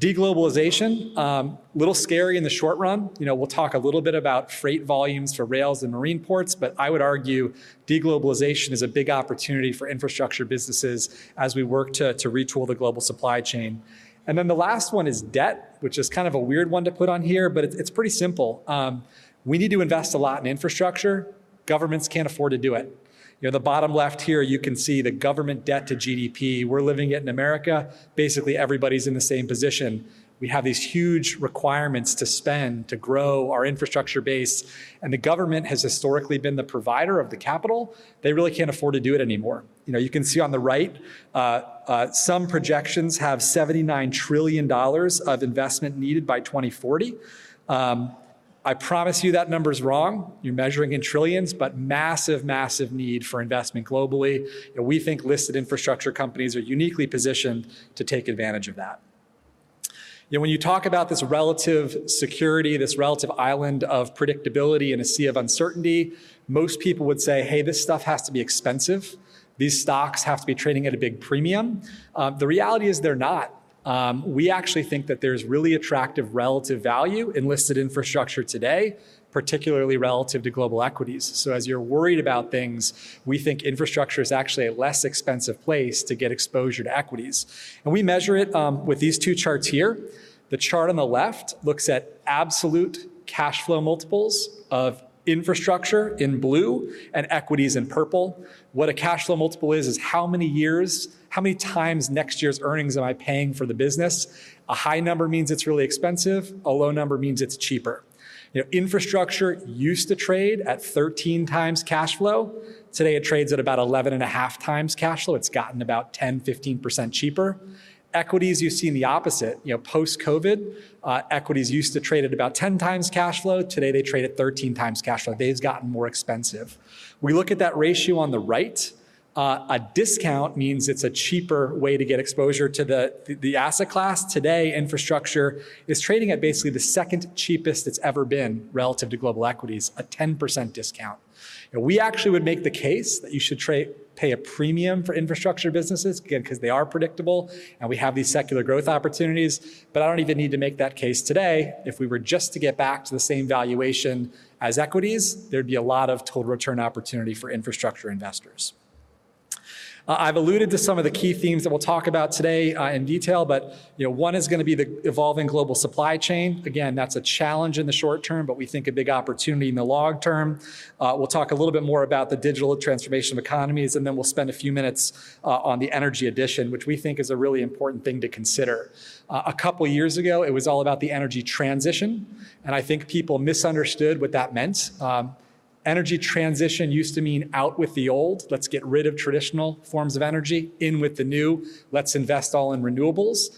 Deglobalisation, a little scary in the short run. We'll talk a little bit about freight volumes for rails and marine ports, but I would argue deglobalisation is a big opportunity for infrastructure businesses as we work to retool the global supply chain. The last one is debt, which is kind of a weird one to put on here, but it's pretty simple. We need to invest a lot in infrastructure. Governments can't afford to do it. The bottom left here, you can see the government debt to GDP. We're living it in the U.S. Basically, everybody's in the same position. We have these huge requirements to spend, to grow our infrastructure base. The government has historically been the provider of the capital. They really can't afford to do it anymore. You can see on the right, some projections have $79 trillion of investment needed by 2040. I promise you that number's wrong. You're measuring in trillions, but massive, massive need for investment globally. We think listed infrastructure companies are uniquely positioned to take advantage of that. When you talk about this relative security, this relative island of predictability in a sea of uncertainty, most people would say, "Hey, this stuff has to be expensive. These stocks have to be trading at a big premium." The reality is they're not. We actually think that there's really attractive relative value in listed infrastructure today, particularly relative to global equities. As you're worried about things, we think infrastructure is actually a less expensive place to get exposure to equities. We measure it with these two charts here. The chart on the left looks at absolute cash flow multiples of infrastructure in blue and equities in purple. What a cash flow multiple is, is how many years, how many times next year's earnings am I paying for the business. A high number means it's really expensive. A low number means it's cheaper. Infrastructure used to trade at 13 times cash flow. Today, it trades at about 11.5 times cash flow. It's gotten about 10-15% cheaper. Equities, you see the opposite. Post-COVID, equities used to trade at about 10 times cash flow. Today, they trade at 13 times cash flow. They've gotten more expensive. We look at that ratio on the right. A discount means it's a cheaper way to get exposure to the asset class. Today, infrastructure is trading at basically the second cheapest it's ever been relative to global equities, a 10% discount. We actually would make the case that you should pay a premium for infrastructure businesses, again, because they are predictable and we have these secular growth opportunities. I do not even need to make that case today. If we were just to get back to the same valuation as equities, there'd be a lot of total return opportunity for infrastructure investors. I've alluded to some of the key themes that we'll talk about today in detail, but one is going to be the evolving global supply chain. Again, that's a challenge in the short term, but we think a big opportunity in the long term. We'll talk a little bit more about the digital transformation of economies, and then we'll spend a few minutes on the energy addition, which we think is a really important thing to consider. A couple of years ago, it was all about the energy transition, and I think people misunderstood what that meant. Energy transition used to mean out with the old. Let's get rid of traditional forms of energy. In with the new. Let's invest all in renewables.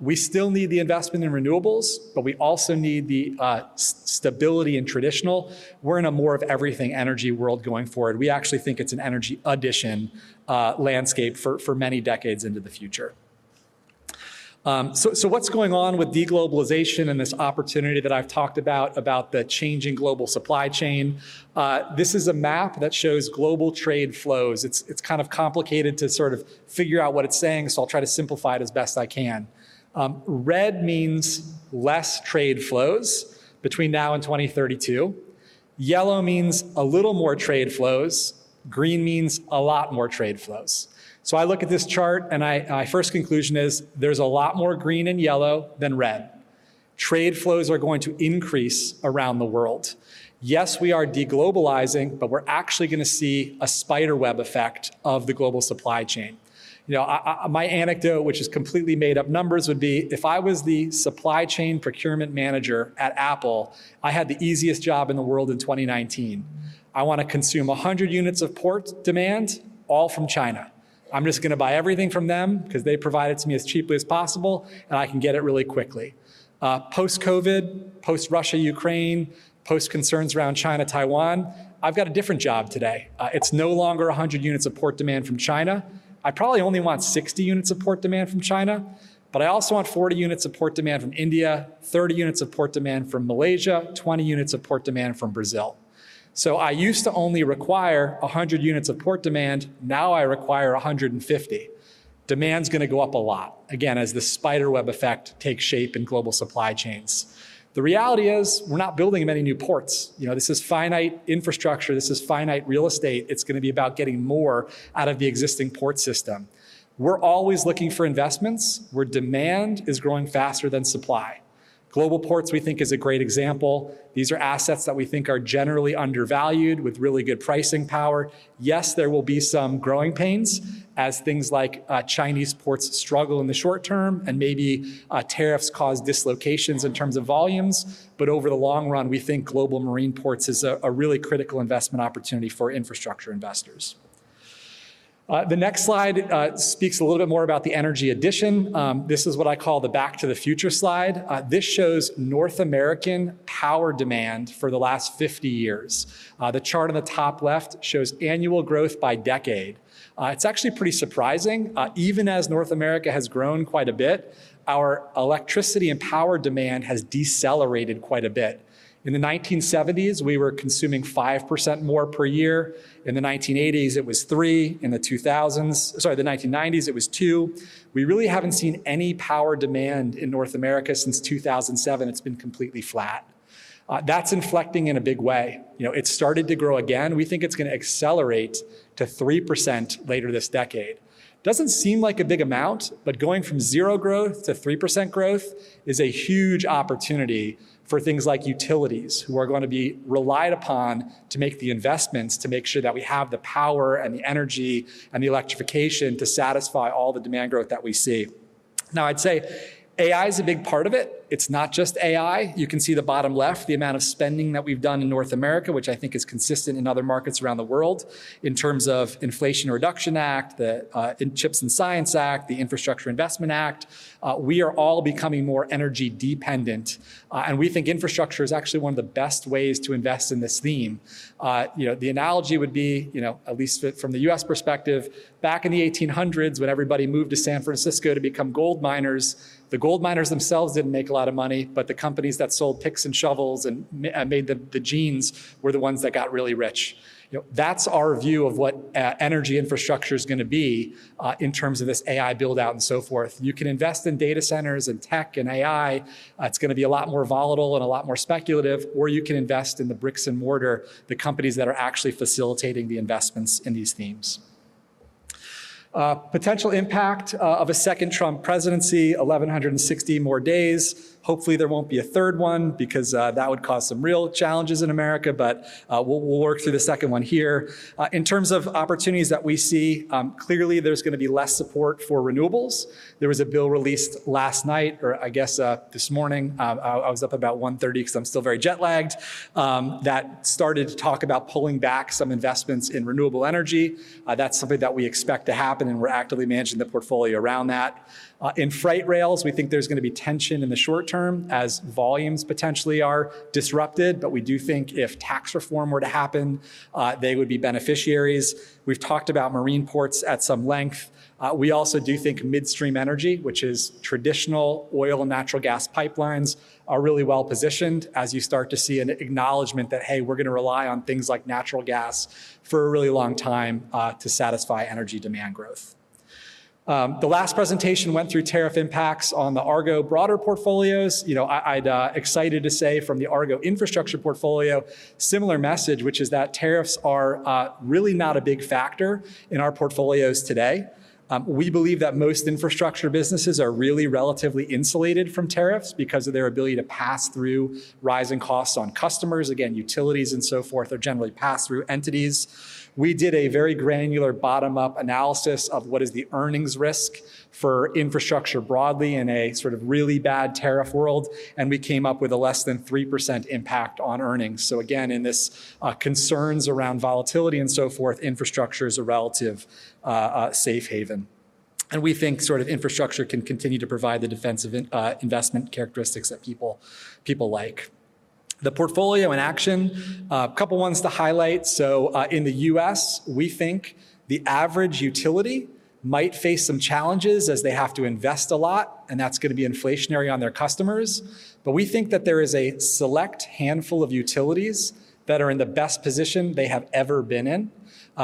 We still need the investment in renewables, but we also need the stability in traditional. We're in a more of everything energy world going forward. We actually think it's an energy addition landscape for many decades into the future. What's going on with deglobalisation and this opportunity that I've talked about, about the changing global supply chain? This is a map that shows global trade flows. It's kind of complicated to sort of figure out what it's saying, so I'll try to simplify it as best I can. Red means less trade flows between now and 2032. Yellow means a little more trade flows. Green means a lot more trade flows. I look at this chart and my first conclusion is there's a lot more green and yellow than red. Trade flows are going to increase around the world. Yes, we are deglobalising, but we're actually going to see a spider web effect of the global supply chain. My anecdote, which is completely made up numbers, would be if I was the supply chain procurement manager at Apple, I had the easiest job in the world in 2019. I want to consume 100 units of port demand, all from China. I'm just going to buy everything from them because they provide it to me as cheaply as possible and I can get it really quickly. Post-COVID, post-Russia-Ukraine, post-concerns around China-Taiwan, I've got a different job today. It's no longer 100 units of port demand from China. I probably only want 60 units of port demand from China, but I also want 40 units of port demand from India, 30 units of port demand from Malaysia, 20 units of port demand from Brazil. I used to only require 100 units of port demand. Now I require 150. Demand's going to go up a lot, again, as the spider web effect takes shape in global supply chains. The reality is we're not building many new ports. This is finite infrastructure. This is finite real estate. It's going to be about getting more out of the existing port system. We're always looking for investments where demand is growing faster than supply. Global ports, we think, is a great example. These are assets that we think are generally undervalued with really good pricing power. Yes, there will be some growing pains as things like Chinese ports struggle in the short term and maybe tariffs cause dislocations in terms of volumes. Over the long run, we think global marine ports is a really critical investment opportunity for infrastructure investors. The next slide speaks a little bit more about the energy addition. This is what I call the back to the future slide. This shows North American power demand for the last 50 years. The chart on the top left shows annual growth by decade. It's actually pretty surprising. Even as North America has grown quite a bit, our electricity and power demand has decelerated quite a bit. In the 1970s, we were consuming 5% more per year. In the 1980s, it was 3%. In the 2000s, sorry, the 1990s, it was 2%. We really haven't seen any power demand in North America since 2007. It's been completely flat. That's inflecting in a big way. It's started to grow again. We think it's going to accelerate to 3% later this decade. Doesn't seem like a big amount, but going from zero growth to 3% growth is a huge opportunity for things like utilities, who are going to be relied upon to make the investments to make sure that we have the power and the energy and the electrification to satisfy all the demand growth that we see. Now, I'd say AI is a big part of it. It's not just AI. You can see the bottom left, the amount of spending that we've done in North America, which I think is consistent in other markets around the world in terms of Inflation Reduction Act, the Chips and Science Act, the Infrastructure Investment Act. We are all becoming more energy dependent, and we think infrastructure is actually one of the best ways to invest in this theme. The analogy would be, at least from the U.S. perspective, back in the 1800s, when everybody moved to San Francisco to become gold miners, the gold miners themselves did not make a lot of money, but the companies that sold picks and shovels and made the jeans were the ones that got really rich. That is our view of what energy infrastructure is going to be in terms of this AI build-out and so forth. You can invest in data centers and tech and AI. It is going to be a lot more volatile and a lot more speculative, or you can invest in the bricks and mortar, the companies that are actually facilitating the investments in these themes. Potential impact of a second Trump presidency, 1,160 more days. Hopefully, there will not be a third one because that would cause some real challenges in America, but we will work through the second one here. In terms of opportunities that we see, clearly there's going to be less support for renewables. There was a bill released last night, or I guess this morning. I was up about 1:30 A.M. because I'm still very jet-lagged. That started to talk about pulling back some investments in renewable energy. That's something that we expect to happen, and we're actively managing the portfolio around that. In freight rails, we think there's going to be tension in the short term as volumes potentially are disrupted, but we do think if tax reform were to happen, they would be beneficiaries. We've talked about marine ports at some length. We also do think midstream energy, which is traditional oil and natural gas pipelines, are really well positioned as you start to see an acknowledgment that, hey, we're going to rely on things like natural gas for a really long time to satisfy energy demand growth. The last presentation went through tariff impacts on the Argo broader portfolios. I'm excited to say from the Argo infrastructure portfolio, similar message, which is that tariffs are really not a big factor in our portfolios today. We believe that most infrastructure businesses are really relatively insulated from tariffs because of their ability to pass through rising costs on customers. Again, utilities and so forth are generally pass-through entities. We did a very granular bottom-up analysis of what is the earnings risk for infrastructure broadly in a sort of really bad tariff world, and we came up with a less than 3% impact on earnings. Again, in this concerns around volatility and so forth, infrastructure is a relative safe haven. We think sort of infrastructure can continue to provide the defensive investment characteristics that people like. The portfolio in action, a couple of ones to highlight. In the U.S., we think the average utility might face some challenges as they have to invest a lot, and that's going to be inflationary on their customers. We think that there is a select handful of utilities that are in the best position they have ever been in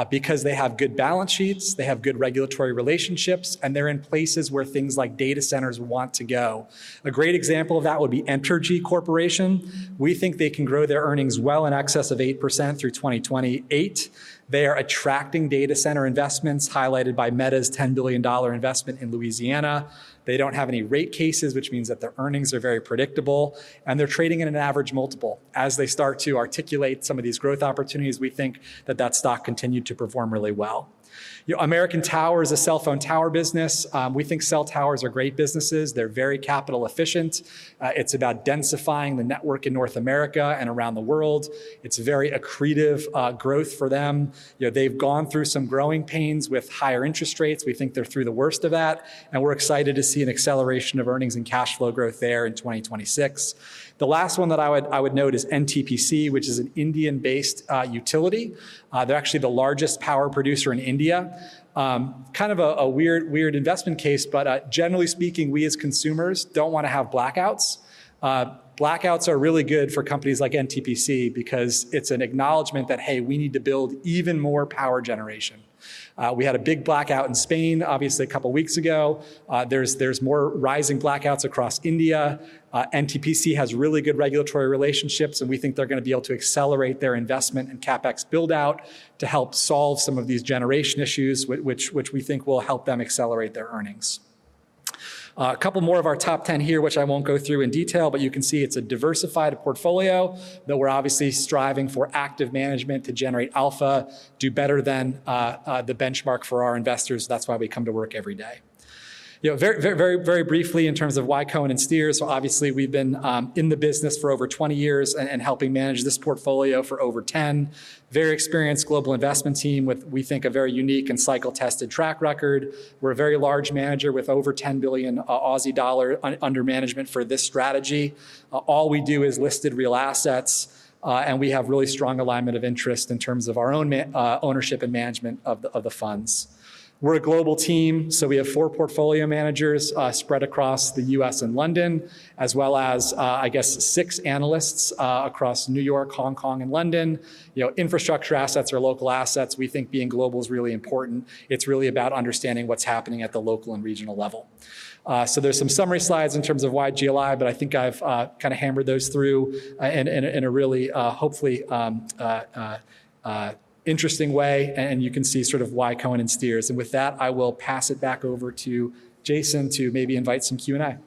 because they have good balance sheets, they have good regulatory relationships, and they're in places where things like data centers want to go. A great example of that would be Entergy Corporation. We think they can grow their earnings well in excess of 8% through 2028. They are attracting data center investments highlighted by Meta's $10 billion investment in Louisiana. They do not have any rate cases, which means that their earnings are very predictable, and they're trading at an average multiple. As they start to articulate some of these growth opportunities, we think that that stock continued to perform really well. American Tower is a cell phone tower business. We think cell towers are great businesses. They're very capital efficient. It's about densifying the network in North America and around the world. It's very accretive growth for them. They've gone through some growing pains with higher interest rates. We think they're through the worst of that, and we're excited to see an acceleration of earnings and cash flow growth there in 2026. The last one that I would note is NTPC, which is an Indian-based utility. They're actually the largest power producer in India. Kind of a weird investment case, but generally speaking, we as consumers don't want to have blackouts. Blackouts are really good for companies like NTPC because it's an acknowledgment that, hey, we need to build even more power generation. We had a big blackout in Spain, obviously, a couple of weeks ago. There's more rising blackouts across India. NTPC has really good regulatory relationships, and we think they're going to be able to accelerate their investment and CapEx build-out to help solve some of these generation issues, which we think will help them accelerate their earnings. A couple more of our top 10 here, which I won't go through in detail, but you can see it's a diversified portfolio, though we're obviously striving for active management to generate alpha, do better than the benchmark for our investors. That's why we come to work every day. Very, very briefly in terms of YCO and Insteer. Obviously, we've been in the business for over 20 years and helping manage this portfolio for over 10. Very experienced global investment team with, we think, a very unique and cycle-tested track record. We're a very large manager with over 10 billion Aussie dollar under management for this strategy. All we do is listed real assets, and we have really strong alignment of interest in terms of our own ownership and management of the funds. We're a global team, so we have four portfolio managers spread across the U.S. and London, as well as, I guess, six analysts across New York, Hong Kong, and London. Infrastructure assets are local assets. We think being global is really important. It's really about understanding what's happening at the local and regional level. There are some summary slides in terms of why GLI, but I think I've kind of hammered those through in a really, hopefully, interesting way, and you can see sort of why Cohen & Steers. With that, I will pass it back over to Jason to maybe invite some Q&A.